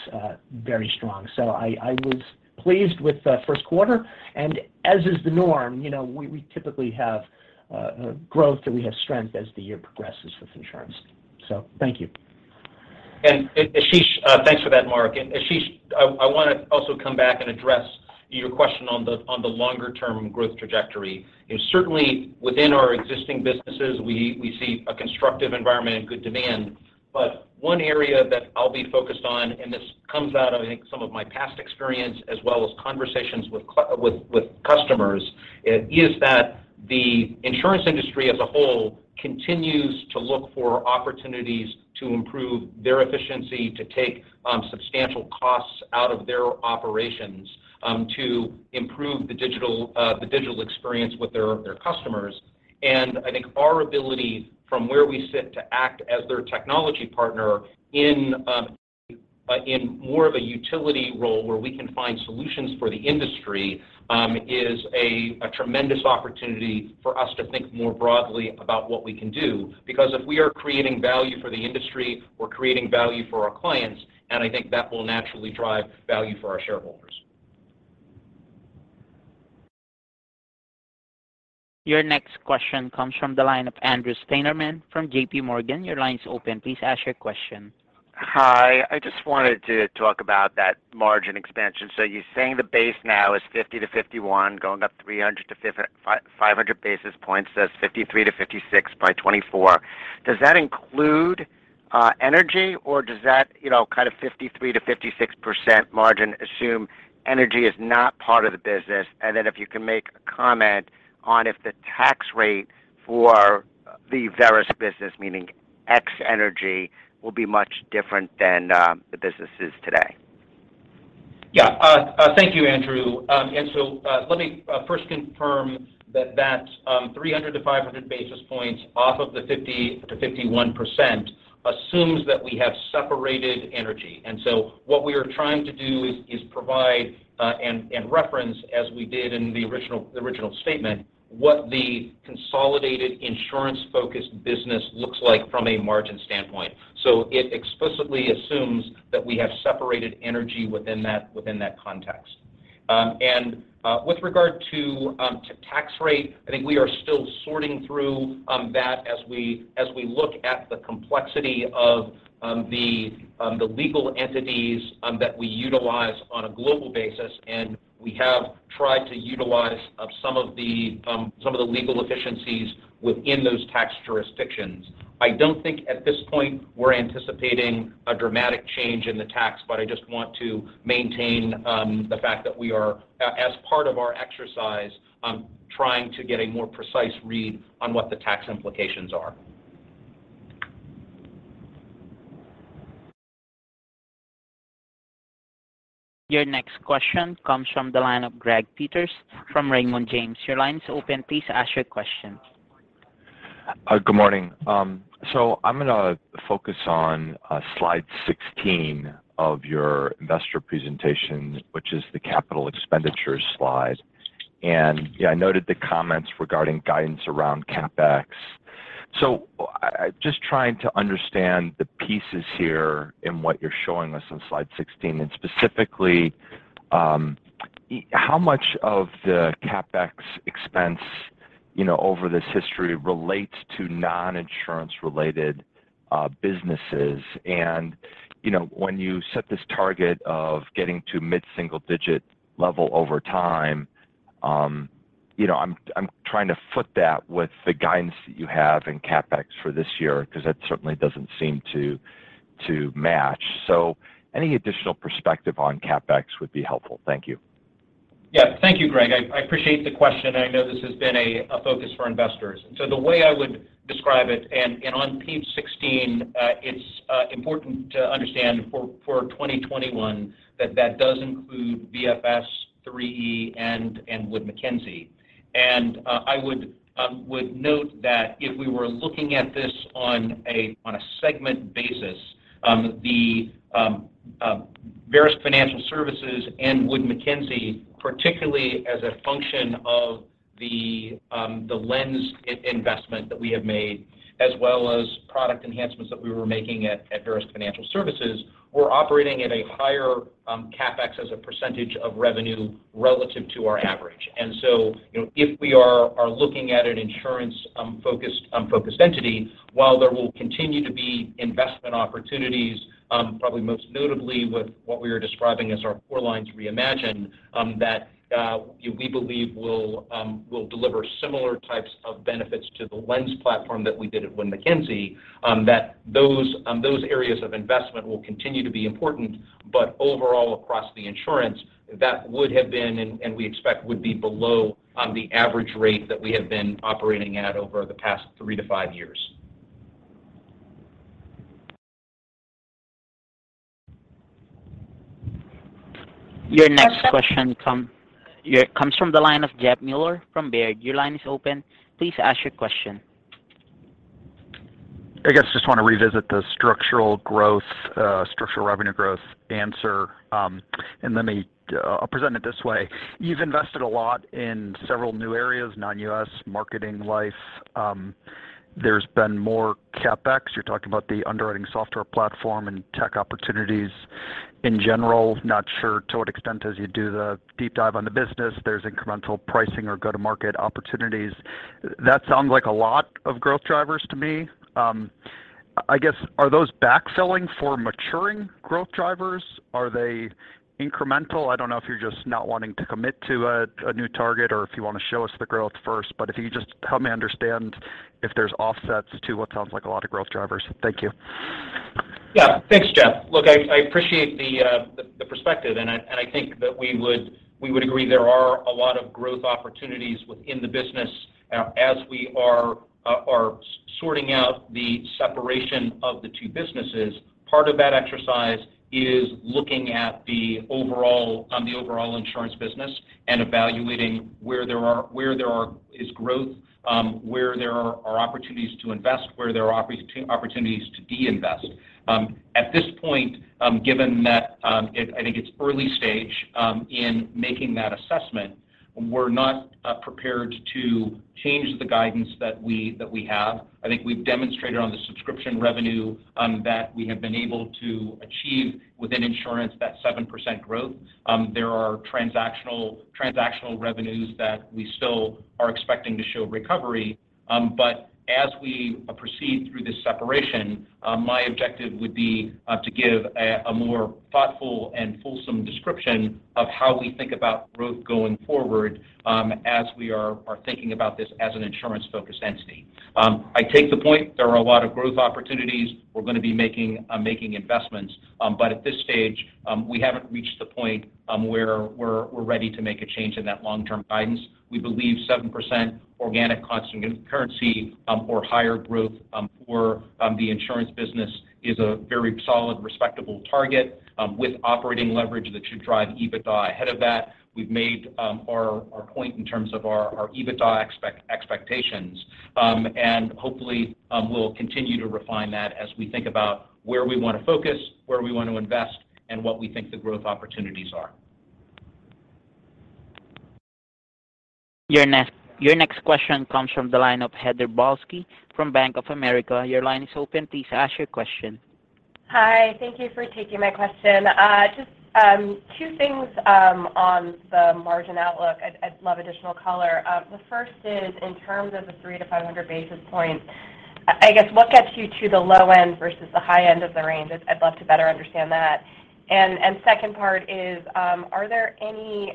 E: very strong. I was pleased with the first quarter, and as is the norm, you know, we typically have growth and we have strength as the year progresses with Insurance. Thank you.
D: Ashish, thanks for that, Mark. Ashish, I wanna also come back and address your question on the longer term growth trajectory. Certainly within our existing businesses, we see a constructive environment and good demand. One area that I'll be focused on, and this comes out of, I think, some of my past experience as well as conversations with customers, it is that the insurance industry as a whole continues to look for opportunities to improve their efficiency, to take substantial costs out of their operations, to improve the digital experience with their customers. I think our ability from where we sit to act as their technology partner in in more of a utility role where we can find solutions for the industry is a tremendous opportunity for us to think more broadly about what we can do. Because if we are creating value for the industry, we're creating value for our clients, and I think that will naturally drive value for our shareholders.
A: Your next question comes from the line of Andrew Steinerman from JPMorgan. Your line's open. Please ask your question.
J: Hi. I just wanted to talk about that margin expansion. You're saying the base now is 50%-51%, going up 300-500 basis points. That's 53%-56% by 2024. Does that include Energy, or does that, you know, kind of 53%-56% margin assume Energy is not part of the business? And then if you can make a comment on if the tax rate for the Verisk business, meaning ex-Energy, will be much different than the businesses today.
D: Yeah. Thank you, Andrew. Let me first confirm that 300-500 basis points off of the 50%-51% assumes that we have separated Energy. What we are trying to do is provide and reference as we did in the original statement, what the consolidated insurance-focused business looks like from a margin standpoint. It explicitly assumes that we have separated Energy within that context. With regard to tax rate, I think we are still sorting through that as we look at the complexity of the legal entities that we utilize on a global basis, and we have tried to utilize some of the legal efficiencies within those tax jurisdictions. I don't think at this point we're anticipating a dramatic change in the tax, but I just want to maintain the fact that we are as part of our exercise trying to get a more precise read on what the tax implications are.
A: Your next question comes from the line of Greg Peters from Raymond James. Your line is open. Please ask your question.
K: Good morning. I'm gonna focus on slide 16 of your investor presentation, which is the capital expenditures slide. Yeah, I noted the comments regarding guidance around CapEx. I just trying to understand the pieces here in what you're showing us on slide 16, and specifically, how much of the CapEx expense, you know, over this history relates to non-insurance related businesses. You know, when you set this target of getting to mid-single digit level over time, you know, I'm trying to foot that with the guidance that you have in CapEx for this year because that certainly doesn't seem to match. Any additional perspective on CapEx would be helpful. Thank you.
D: Yeah. Thank you, Greg. I appreciate the question, and I know this has been a focus for investors. The way I would describe it, and on page 16, it's important to understand for 2021 that does include VFS, 3E and Wood Mackenzie. I would note that if we were looking at this on a segment basis, the Verisk Financial Services and Wood Mackenzie, particularly as a function of the Lens investment that we have made, as well as product enhancements that we were making at Verisk Financial Services, we're operating at a higher CapEx as a percentage of revenue relative to our average. You know, if we are looking at an insurance focused entity, while there will continue to be investment opportunities, probably most notably with what we are describing as our Core Lines Reimagined, that we believe will deliver similar types of benefits to the Lens platform that we did at Wood Mackenzie, those areas of investment will continue to be important. Overall, across the Insurance, that would have been, and we expect would be below the average rate that we have been operating at over the past three to five years.
A: Your next question comes from the line of Jeff Meuler from Baird. Your line is open. Please ask your question.
L: I guess just want to revisit the structural growth, structural revenue growth answer. Let me. I'll present it this way. You've invested a lot in several new areas, non-U.S., marketing, life. There's been more CapEx. You're talking about the underwriting software platform and tech opportunities in general. Not sure to what extent, as you do the deep dive on the business, there's incremental pricing or go-to-market opportunities. That sounds like a lot of growth drivers to me. I guess, are those backfilling for maturing growth drivers? Are they incremental? I don't know if you're just not wanting to commit to a new target or if you want to show us the growth first, but if you just help me understand if there's offsets to what sounds like a lot of growth drivers. Thank you.
D: Yeah. Thanks, Jeff. Look, I appreciate the perspective, and I think that we would agree there are a lot of growth opportunities within the business. As we are sorting out the separation of the two businesses, part of that exercise is looking at the overall Insurance business and evaluating where there is growth, where there are opportunities to invest, where there are opportunities to de-invest. At this point, given that, I think it's early stage in making that assessment, we're not prepared to change the guidance that we have. I think we've demonstrated on the subscription revenue that we have been able to achieve within Insurance that 7% growth. There are transactional revenues that we still are expecting to show recovery. As we proceed through this separation, my objective would be to give a more thoughtful and fulsome description of how we think about growth going forward, as we are thinking about this as an insurance-focused entity. I take the point, there are a lot of growth opportunities. We're gonna be making investments. At this stage, we haven't reached the point where we're ready to make a change in that long-term guidance. We believe 7% organic constant currency or higher growth for the Insurance business is a very solid, respectable target with operating leverage that should drive EBITDA ahead of that. We've made our point in terms of our EBITDA expectations. We'll continue to refine that as we think about where we wanna focus, where we want to invest, and what we think the growth opportunities are.
A: Your next question comes from the line of Heather Balsky from Bank of America. Your line is open. Please ask your question.
M: Hi. Thank you for taking my question. Just two things on the margin outlook. I'd love additional color. The first is in terms of the 300-500 basis points, I guess what gets you to the low end versus the high end of the range? I'd love to better understand that. Second part is, are there any,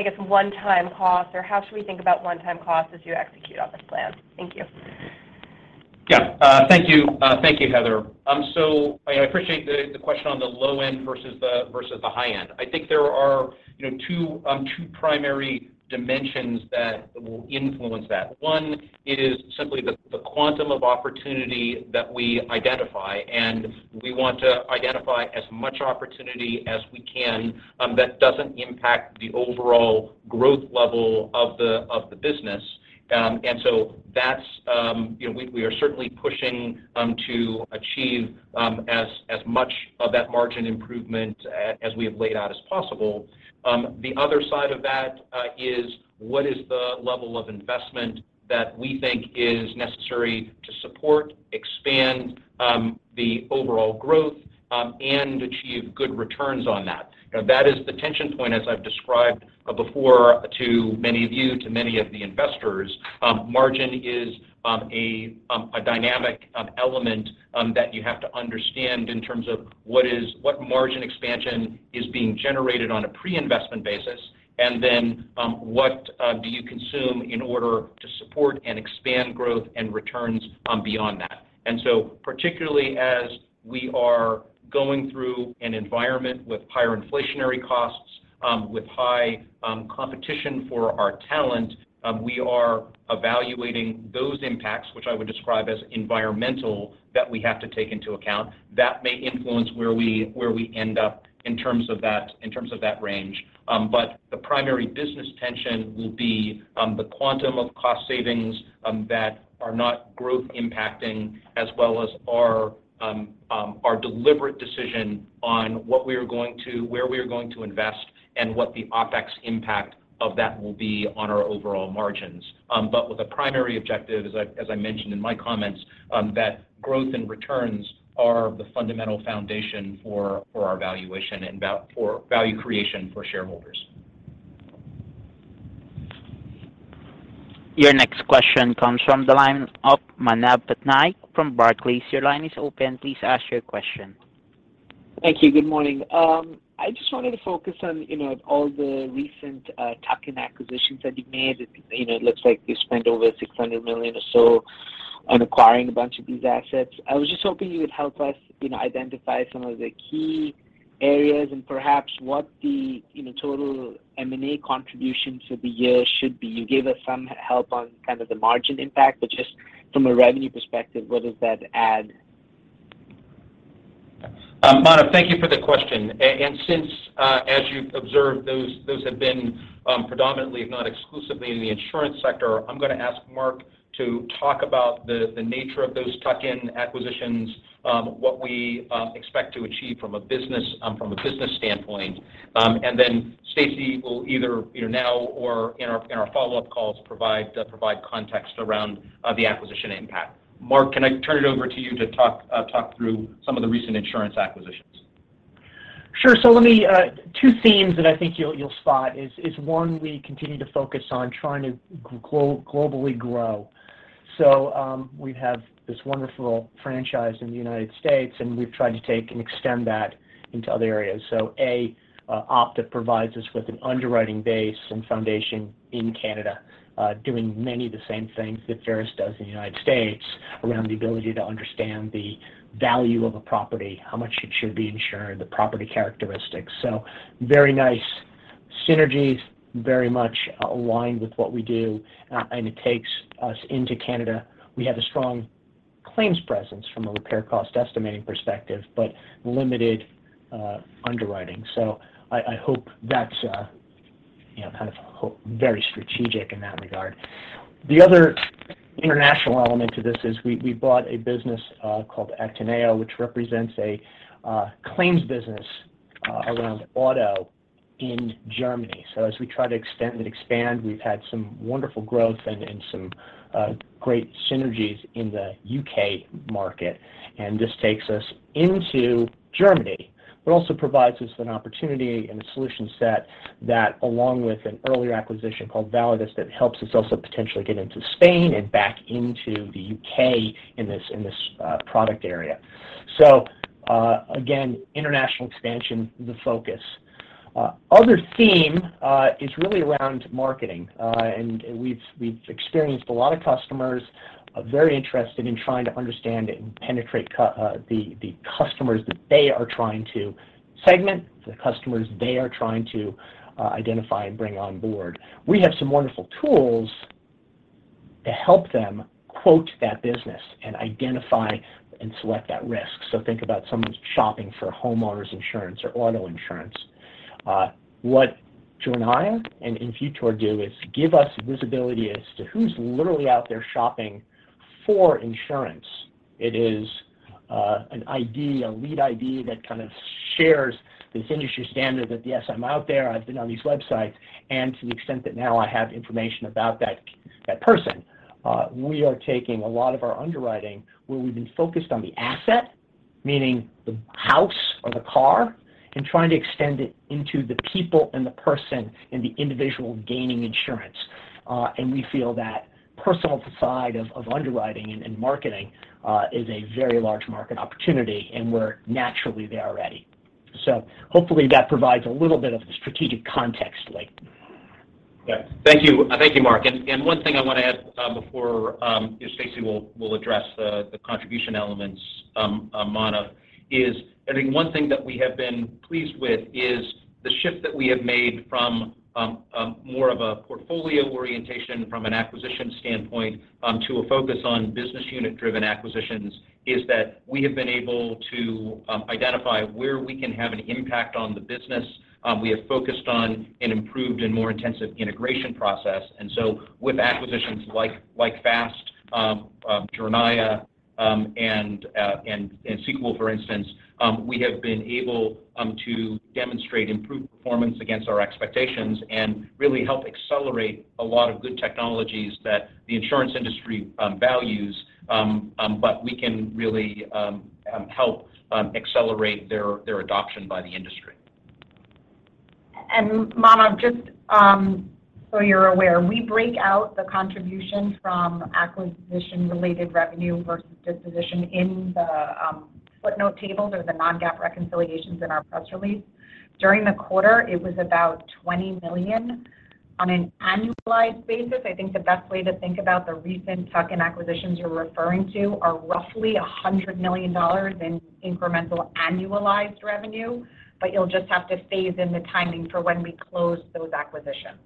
M: I guess one-time costs or how should we think about one-time costs as you execute on this plan? Thank you.
D: Yeah. Thank you, Heather. I appreciate the question on the low end versus the high end. I think there are, you know, two primary dimensions that will influence that. One, it is simply the quantum of opportunity that we identify, and we want to identify as much opportunity as we can, that doesn't impact the overall growth level of the business. That's, you know, we are certainly pushing to achieve as much of that margin improvement as we have laid out as possible. The other side of that is what is the level of investment that we think is necessary to support, expand, the overall growth, and achieve good returns on that. You know, that is the tension point as I've described before to many of the investors. Margin is a dynamic element that you have to understand in terms of what margin expansion is being generated on a pre-investment basis, and then, what do you consume in order to support and expand growth and returns beyond that. Particularly as we are going through an environment with higher inflationary costs, with high competition for our talent, we are evaluating those impacts, which I would describe as environmental, that we have to take into account. That may influence where we end up in terms of that range. The primary business tension will be the quantum of cost savings that are not growth impacting as well as our deliberate decision on where we are going to invest and what the OpEx impact of that will be on our overall margins. With a primary objective as I mentioned in my comments that growth and returns are the fundamental foundation for value creation for shareholders.
A: Your next question comes from the line of Manav Patnaik from Barclays. Your line is open. Please ask your question.
N: Thank you. Good morning. I just wanted to focus on, you know, all the recent tuck-in acquisitions that you made. You know, it looks like you spent over $600 million or so on acquiring a bunch of these assets. I was just hoping you would help us, you know, identify some of the key areas and perhaps what the, you know, total M&A contribution to the year should be. You gave us some help on kind of the margin impact, but just from a revenue perspective, what does that add?
D: Manav, thank you for the question. Since, as you've observed, those have been predominantly, if not exclusively, in the Insurance sector, I'm gonna ask Mark to talk about the nature of those tuck-in acquisitions, what we expect to achieve from a business standpoint. Then Stacey will either now or in our follow-up calls provide context around the acquisition impact. Mark, can I turn it over to you to talk through some of the recent Insurance acquisitions?
E: Sure. Let me two themes that I think you'll spot is one we continue to focus on trying to globally grow. We have this wonderful franchise in the United States, and we've tried to take and extend that into other areas. A, Opta provides us with an underwriting base and foundation in Canada, doing many of the same things that Verisk does in the United States around the ability to understand the value of a property, how much it should be insured, the property characteristics. Very nice synergies, very much aligned with what we do, and it takes us into Canada. We have a strong claims presence from a repair cost estimating perspective, but limited underwriting. I hope that's, you know, kind of very strategic in that regard. The other international element to this is we bought a business called ACTINEO, which represents a claims business around auto in Germany. As we try to extend and expand, we've had some wonderful growth and some great synergies in the U.K. market. This takes us into Germany, but also provides us an opportunity and a solution set that, along with an earlier acquisition called Validus-IVC, that helps us also potentially get into Spain and back into the U.K. in this product area. Again, international expansion, the focus. Other theme is really around marketing. We've experienced a lot of customers very interested in trying to understand and penetrate the customers that they are trying to segment, the customers they are trying to identify and bring on board. We have some wonderful tools to help them quote that business and identify and select that risk. Think about someone who's shopping for homeowners insurance or auto insurance. What Jornaya and Infutor do is give us visibility as to who's literally out there shopping for insurance. It is an ID, a lead ID that kind of shares this industry standard that, yes, I'm out there, I've been on these websites, and to the extent that now I have information about that person. We are taking a lot of our underwriting where we've been focused on the asset, meaning the house or the car, and trying to extend it into the people and the person and the individual gaining insurance. We feel that personal side of underwriting and marketing is a very large market opportunity, and we're naturally there already. Hopefully that provides a little bit of the strategic context, Blake.
D: Yeah. Thank you. Thank you, Mark. One thing I wanna add, before you know, Stacey will address the contribution elements, Manav, is I think one thing that we have been pleased with is the shift that we have made from more of a portfolio orientation from an acquisition standpoint to a focus on business unit driven acquisitions, is that we have been able to identify where we can have an impact on the business. We have focused on an improved and more intensive integration process. With acquisitions like FAST, Jornaya, and Sequel, for instance, we have been able to demonstrate improved performance against our expectations and really help accelerate a lot of good technologies that the insurance industry values, but we can really help accelerate their adoption by the industry.
B: Manav, just, so you're aware, we break out the contribution from acquisition-related revenue versus disposition in the footnote tables or the non-GAAP reconciliations in our press release. During the quarter, it was about $20 million. On an annualized basis, I think the best way to think about the recent tuck-in acquisitions you're referring to are roughly $100 million in incremental annualized revenue, but you'll just have to phase in the timing for when we close those acquisitions.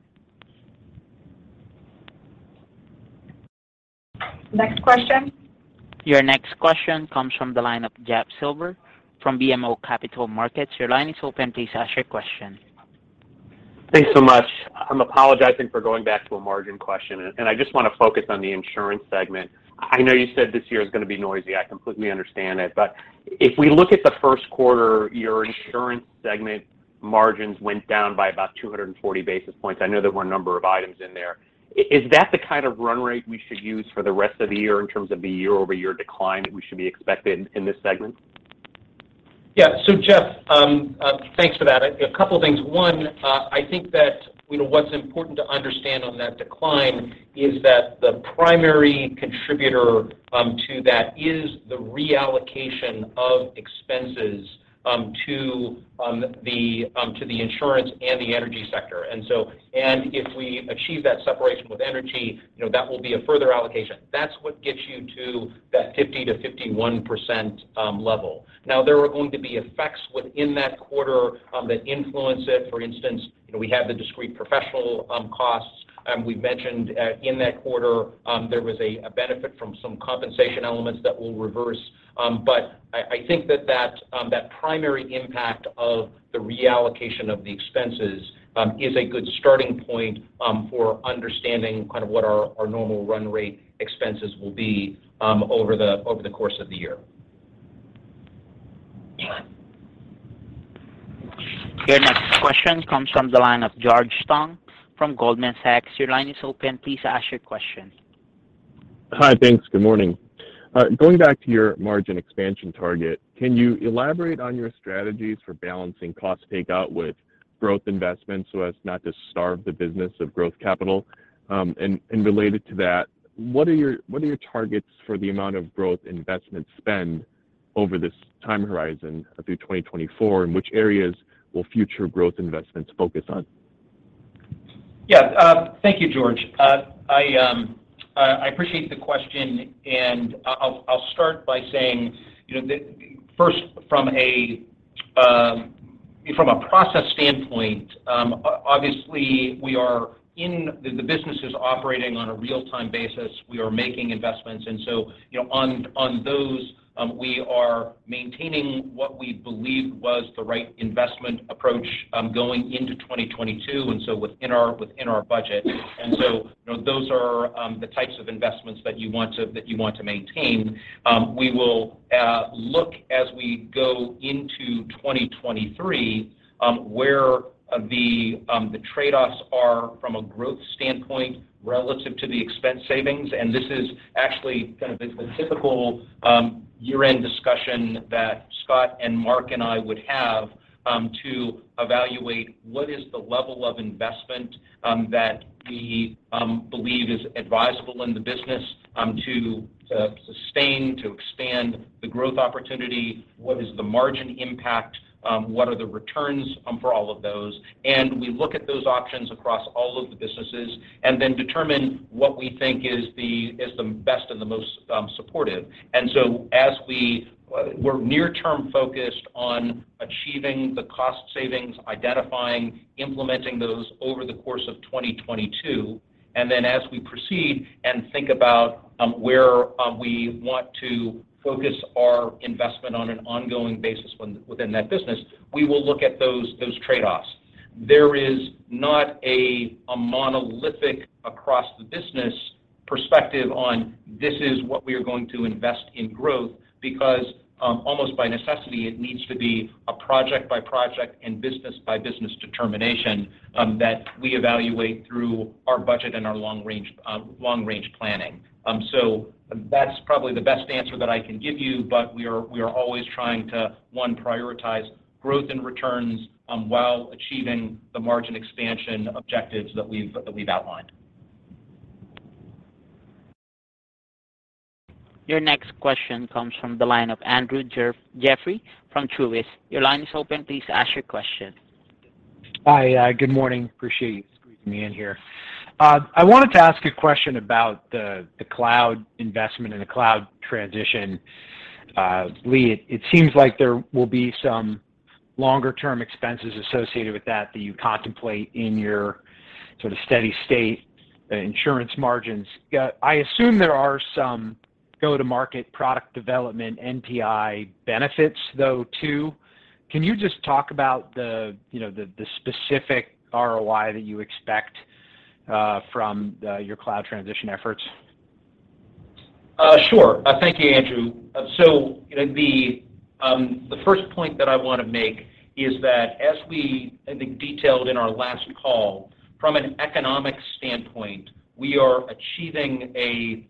A: Next question. Your next question comes from the line of Jeff Silber from BMO Capital Markets. Your line is open. Please ask your question.
O: Thanks so much. I'm apologizing for going back to a margin question, and I just want to focus on the Insurance segment. I know you said this year is going to be noisy. I completely understand it. If we look at the first quarter, your Insurance segment margins went down by about 240 basis points. I know there were a number of items in there. Is that the kind of run rate we should use for the rest of the year in terms of the year-over-year decline that we should be expecting in this segment?
D: Yeah. Jeff, thanks for that. A couple of things. One, I think that, you know, what's important to understand on that decline is that the primary contributor to that is the reallocation of expenses to the Insurance and the Energy sector. If we achieve that separation with Energy, you know, that will be a further allocation. That's what gets you to that 50%-51% level. Now, there are going to be effects within that quarter that influence it. For instance, you know, we have the discrete professional costs. We mentioned in that quarter there was a benefit from some compensation elements that will reverse. I think that primary impact of the reallocation of the expenses is a good starting point for understanding kind of what our normal run rate expenses will be over the course of the year.
A: Your next question comes from the line of George Tong from Goldman Sachs. Your line is open. Please ask your question.
P: Hi. Thanks. Good morning. Going back to your margin expansion target, can you elaborate on your strategies for balancing cost takeout with growth investments so as not to starve the business of growth capital? Related to that, what are your targets for the amount of growth investment spend over this time horizon through 2024, and which areas will future growth investments focus on?
D: Yeah. Thank you, George. I appreciate the question, and I'll start by saying, you know, first, from a process standpoint, obviously the business is operating on a real-time basis. We are making investments. You know, on those, we are maintaining what we believe was the right investment approach, going into 2022, and so within our budget. You know, those are the types of investments that you want to maintain. We will look as we go into 2023, where the trade-offs are from a growth standpoint relative to the expense savings. This is actually kind of it's the typical year-end discussion that Scott and Mark and I would have to evaluate what is the level of investment that we believe is advisable in the business to sustain to expand the growth opportunity. What is the margin impact? What are the returns for all of those? We look at those options across all of the businesses and then determine what we think is the best and the most supportive. As we're near-term focused on achieving the cost savings, identifying, implementing those over the course of 2022, and then as we proceed and think about where we want to focus our investment on an ongoing basis within that business, we will look at those trade-offs. There is not a monolithic across the business perspective on this is what we are going to invest in growth because almost by necessity it needs to be a project by project and business by business determination that we evaluate through our budget and our long range planning. That's probably the best answer that I can give you. We are always trying to one prioritize growth and returns while achieving the margin expansion objectives that we've outlined.
A: Your next question comes from the line of Andrew Jeffrey from Truist. Your line is open. Please ask your question.
Q: Hi. Good morning. Appreciate you squeezing me in here. I wanted to ask a question about the cloud investment and the cloud transition. Lee Shavel, it seems like there will be some longer term expenses associated with that you contemplate in your sort of steady state Insurance margins. I assume there are some go-to-market product development NTI benefits, though, too. Can you just talk about you know, the specific ROI that you expect from your cloud transition efforts?
D: Sure. Thank you, Andrew. You know, the first point that I want to make is that as we, I think, detailed in our last call, from an economic standpoint, we are achieving a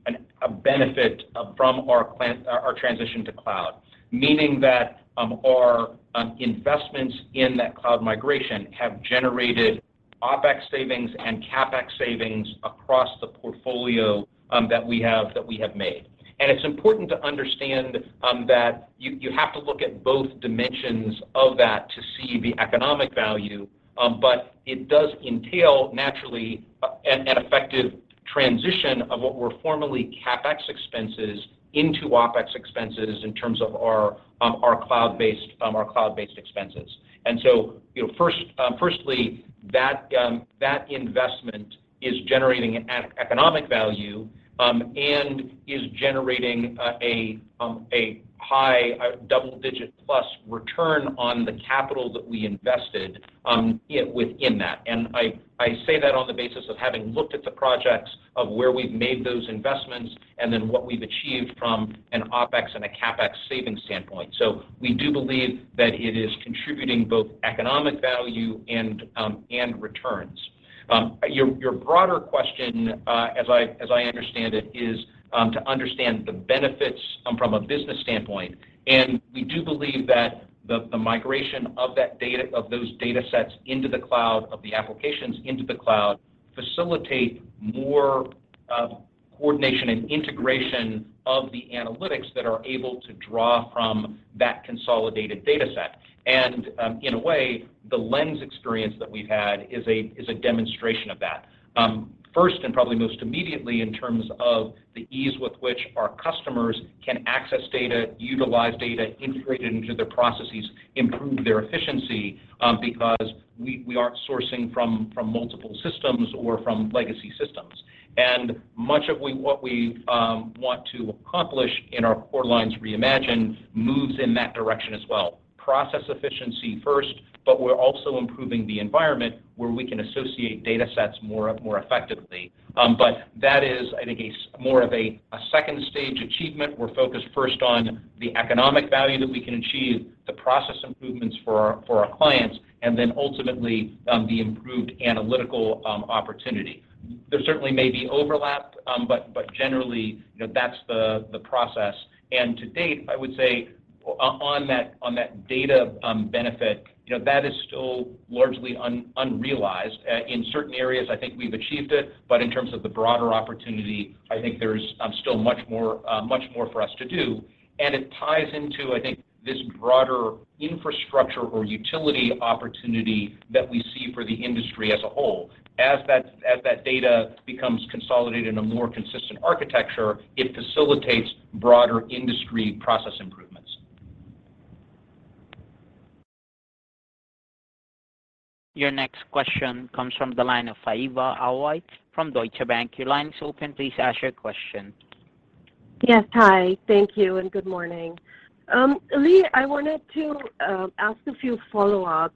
D: benefit from our transition to cloud, meaning that our investments in that cloud migration have generated OpEx savings and CapEx savings across the portfolio that we have made. It's important to understand that you have to look at both dimensions of that to see the economic value. It does entail naturally an effective transition of what were formerly CapEx expenses into OpEx expenses in terms of our cloud-based expenses. You know, first, that investment is generating an economic value and is generating a high double-digit plus return on the capital that we invested within that. I say that on the basis of having looked at the projects of where we've made those investments and then what we've achieved from an OpEx and a CapEx savings standpoint. We do believe that it is contributing both economic value and returns. Your broader question, as I understand it, is to understand the benefits from a business standpoint. We do believe that the migration of that data of those datasets into the cloud, of the applications into the cloud, facilitate more coordination and integration of the analytics that are able to draw from that consolidated dataset. In a way, the Lens experience that we've had is a demonstration of that. First and probably most immediately in terms of the ease with which our customers can access data, utilize data, integrate it into their processes, improve their efficiency, because we aren't sourcing from multiple systems or from legacy systems. Much of what we want to accomplish in our Core Lines Reimagined moves in that direction as well. Process efficiency first, but we're also improving the environment where we can associate datasets more effectively. That is, I think, somewhat more of a second stage achievement. We're focused first on the economic value that we can achieve, the process improvements for our clients, and then ultimately, the improved analytical opportunity. There certainly may be overlap, but generally, you know, that's the process. To date, I would say on that data benefit, you know, that is still largely unrealized. In certain areas, I think we've achieved it, but in terms of the broader opportunity, I think there's still much more for us to do. It ties into, I think, this broader infrastructure or utility opportunity that we see for the industry as a whole. As that data becomes consolidated in a more consistent architecture, it facilitates broader industry process improvements.
A: Your next question comes from the line of Faiza Alwy from Deutsche Bank. Your line is open. Please ask your question.
R: Yes. Hi, thank you, and good morning. Lee, I wanted to ask a few follow-ups.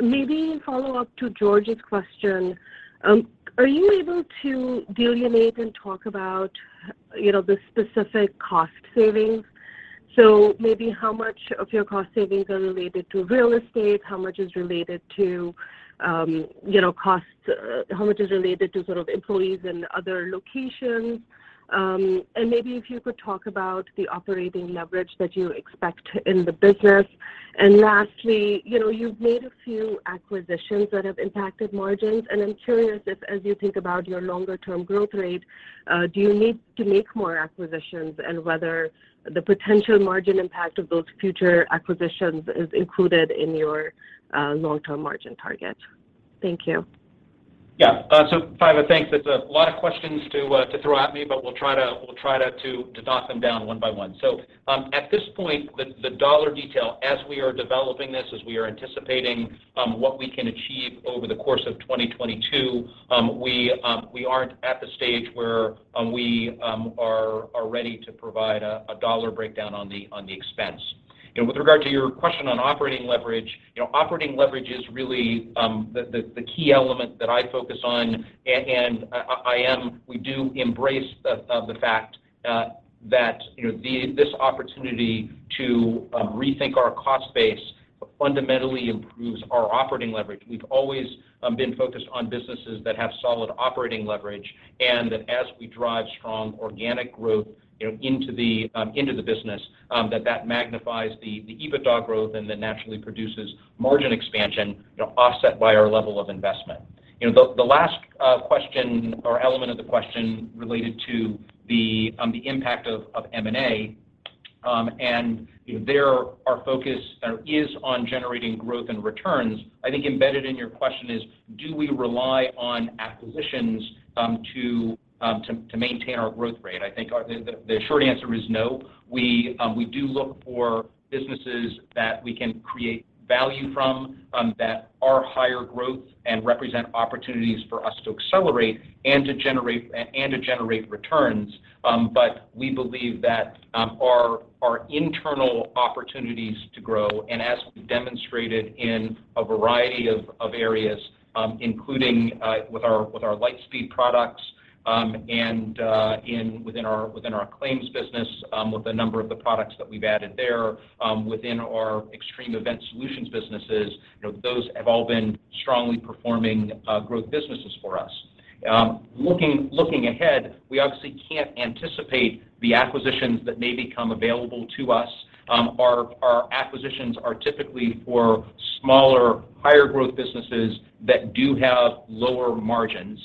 R: Maybe in follow-up to George's question, are you able to delineate and talk about, you know, the specific cost savings? Maybe how much of your cost savings are related to real estate, how much is related to, you know, costs, how much is related to sort of employees in other locations? Maybe if you could talk about the operating leverage that you expect in the business. Lastly, you know, you've made a few acquisitions that have impacted margins, and I'm curious if as you think about your longer term growth rate, do you need to make more acquisitions and whether the potential margin impact of those future acquisitions is included in your, long-term margin target? Thank you.
D: Yeah. Faiza, thanks. That's a lot of questions to throw at me, but we'll try to knock them down one by one. At this point, the dollar detail as we are developing this, as we are anticipating, what we can achieve over the course of 2022, we aren't at the stage where we are ready to provide a dollar breakdown on the expense. You know, with regard to your question on operating leverage, you know, operating leverage is really the key element that I focus on and we do embrace the fact that, you know, this opportunity to rethink our cost base fundamentally improves our operating leverage. We've always been focused on businesses that have solid operating leverage. That as we drive strong organic growth, you know, into the business, that magnifies the EBITDA growth and that naturally produces margin expansion, you know, offset by our level of investment. The last question or element of the question related to the impact of M&A, and there our focus is on generating growth and returns. I think embedded in your question is, do we rely on acquisitions to maintain our growth rate? The short answer is no. We do look for businesses that we can create value from, that are higher growth and represent opportunities for us to accelerate and to generate returns. We believe that our internal opportunities to grow and as we've demonstrated in a variety of areas, including with our Lightspeed products, and within our claims business with a number of the products that we've added there, within our Extreme Event Solutions businesses, you know, those have all been strongly performing growth businesses for us. Looking ahead, we obviously can't anticipate the acquisitions that may become available to us. Our acquisitions are typically for smaller, higher growth businesses that do have lower margins.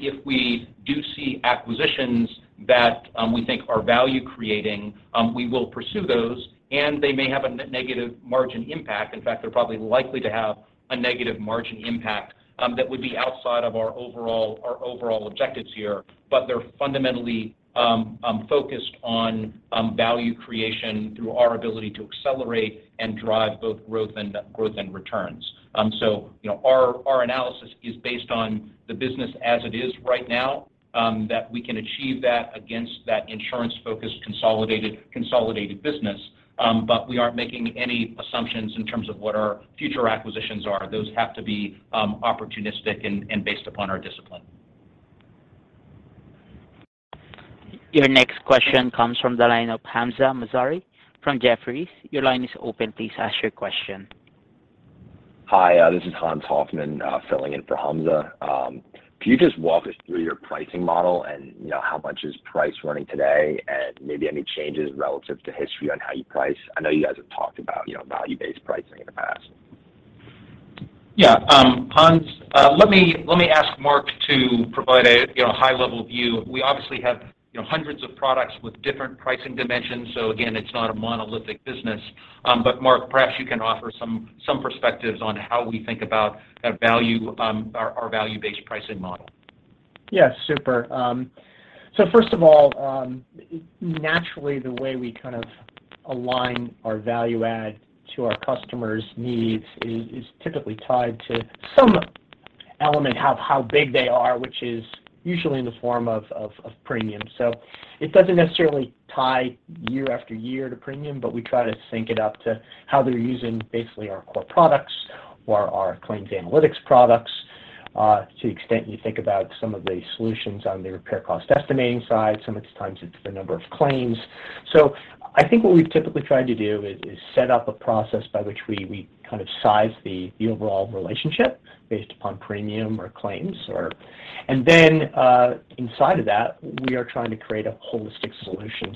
D: If we do see acquisitions that we think are value creating, we will pursue those, and they may have a negative margin impact. In fact, they're probably likely to have a negative margin impact that would be outside of our overall objectives here. They're fundamentally focused on value creation through our ability to accelerate and drive both growth and returns. You know, our analysis is based on the business as it is right now, that we can achieve that against that insurance-focused, consolidated business. We aren't making any assumptions in terms of what our future acquisitions are. Those have to be opportunistic and based upon our discipline.
A: Your next question comes from the line of Hamza Mazari from Jefferies. Your line is open. Please ask your question.
S: Hi, this is Hans Hoffman, filling in for Hamza Mazari. Can you just walk us through your pricing model and, you know, how much pricing is running today and maybe any changes relative to history on how you price? I know you guys have talked about, you know, value-based pricing in the past.
D: Yeah. Hans, let me ask Mark to provide a you know high-level view. We obviously have you know hundreds of products with different pricing dimensions, so again, it's not a monolithic business. Mark, perhaps you can offer some perspectives on how we think about that value, our value-based pricing model.
E: Yes. Super. First of all, naturally the way we kind of align our value add to our customers' needs is typically tied to some element of how big they are, which is usually in the form of premium. It doesn't necessarily tie year after year to premium, but we try to sync it up to how they're using basically our core products or our claims analytics products, to the extent you think about some of the solutions on the repair cost estimating side, sometimes it's the number of claims. I think what we've typically tried to do is set up a process by which we kind of size the overall relationship based upon premium or claims. Inside of that, we are trying to create a holistic solution.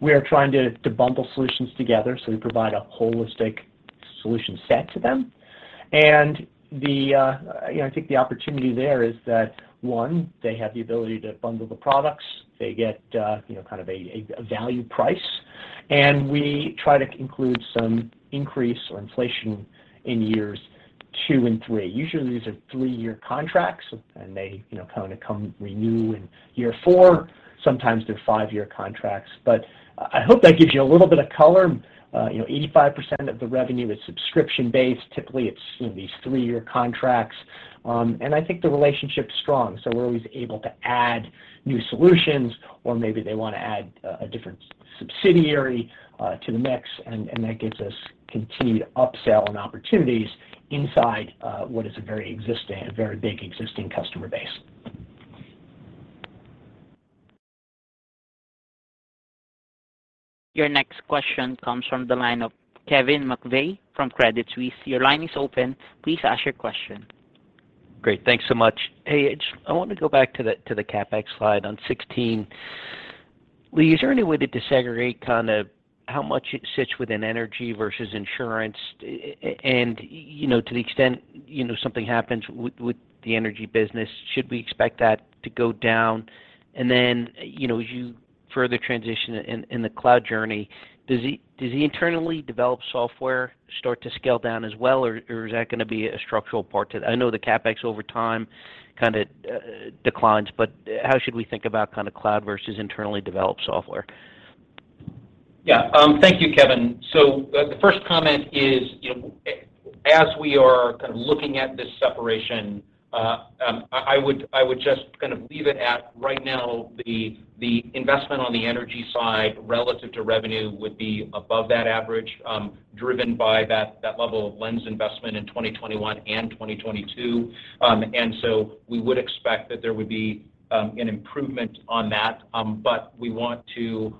E: We are trying to bundle solutions together, so we provide a holistic solution set to them. The, you know, I think the opportunity there is that, one, they have the ability to bundle the products. They get, you know, kind of a value price, and we try to include some increase or inflation in years two and three. Usually, these are three-year contracts, and they, you know, kind of come renew in year four. Sometimes they're five-year contracts. I hope that gives you a little bit of color. You know, 85% of the revenue is subscription-based. Typically, it's, you know, these three-year contracts. I think the relationship's strong, so we're always able to add new solutions or maybe they wanna add a different subsidiary to the mix, and that gives us continued upsell and opportunities inside what is a very big existing customer base.
A: Your next question comes from the line of Kevin McVeigh from Credit Suisse. Your line is open. Please ask your question.
T: Great. Thanks so much. Hey, I wanna go back to the CapEx slide on 16. Lee, is there any way to disaggregate kind of how much it sits within Energy versus Insurance? And, you know, to the extent, you know, something happens with the Energy business, should we expect that to go down? And then, you know, as you further transition in the cloud journey, does the internally developed software start to scale down as well or is that gonna be a structural part? I know the CapEx over time kind of declines, but how should we think about kind of cloud versus internally developed software?
D: Yeah. Thank you, Kevin. The first comment is, you know, as we are kind of looking at this separation, I would just kind of leave it at right now the investment on the Energy side relative to revenue would be above that average, driven by that level of Lens investment in 2021 and 2022. We would expect that there would be an improvement on that. We want to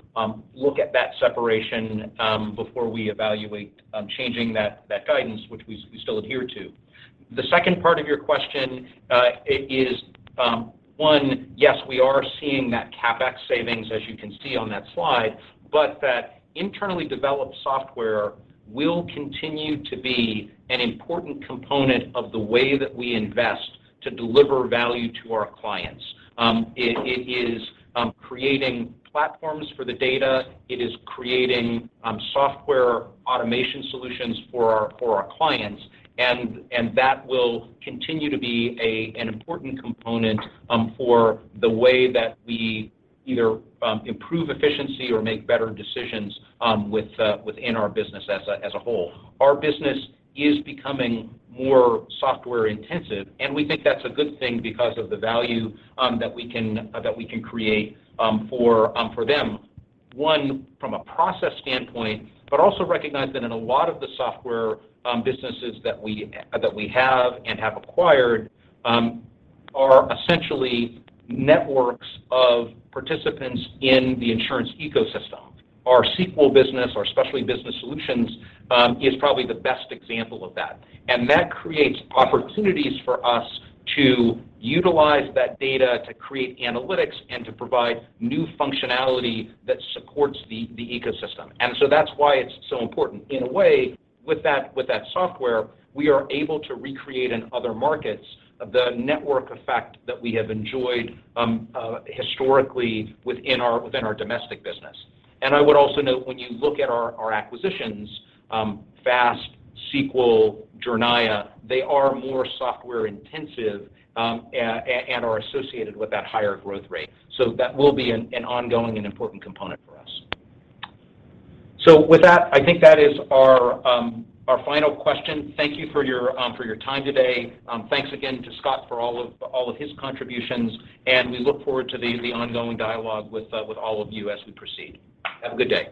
D: look at that separation before we evaluate changing that guidance which we still adhere to. The second part of your question is one, yes, we are seeing that CapEx savings, as you can see on that slide, but that internally developed software will continue to be an important component of the way that we invest to deliver value to our clients. It is creating platforms for the data. It is creating software automation solutions for our clients, and that will continue to be an important component for the way that we either improve efficiency or make better decisions within our business as a whole. Our business is becoming more software intensive, and we think that's a good thing because of the value that we can create for them. One, from a process standpoint, but also recognize that in a lot of the software businesses that we have and have acquired are essentially networks of participants in the Insurance ecosystem. Our Sequel business, our Specialty Business Solutions, is probably the best example of that. That creates opportunities for us to utilize that data to create analytics and to provide new functionality that supports the ecosystem. That's why it's so important. In a way, with that software, we are able to recreate in other markets the network effect that we have enjoyed historically within our domestic business. I would also note when you look at our acquisitions, FAST, Sequel, Jornaya, they are more software intensive and are associated with that higher growth rate. That will be an ongoing and important component for us. With that, I think that is our final question. Thank you for your time today. Thanks again to Scott for all of his contributions, and we look forward to the ongoing dialogue with all of you as we proceed. Have a good day.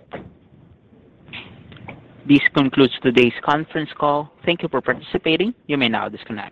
A: This concludes today's conference call. Thank you for participating. You may now disconnect.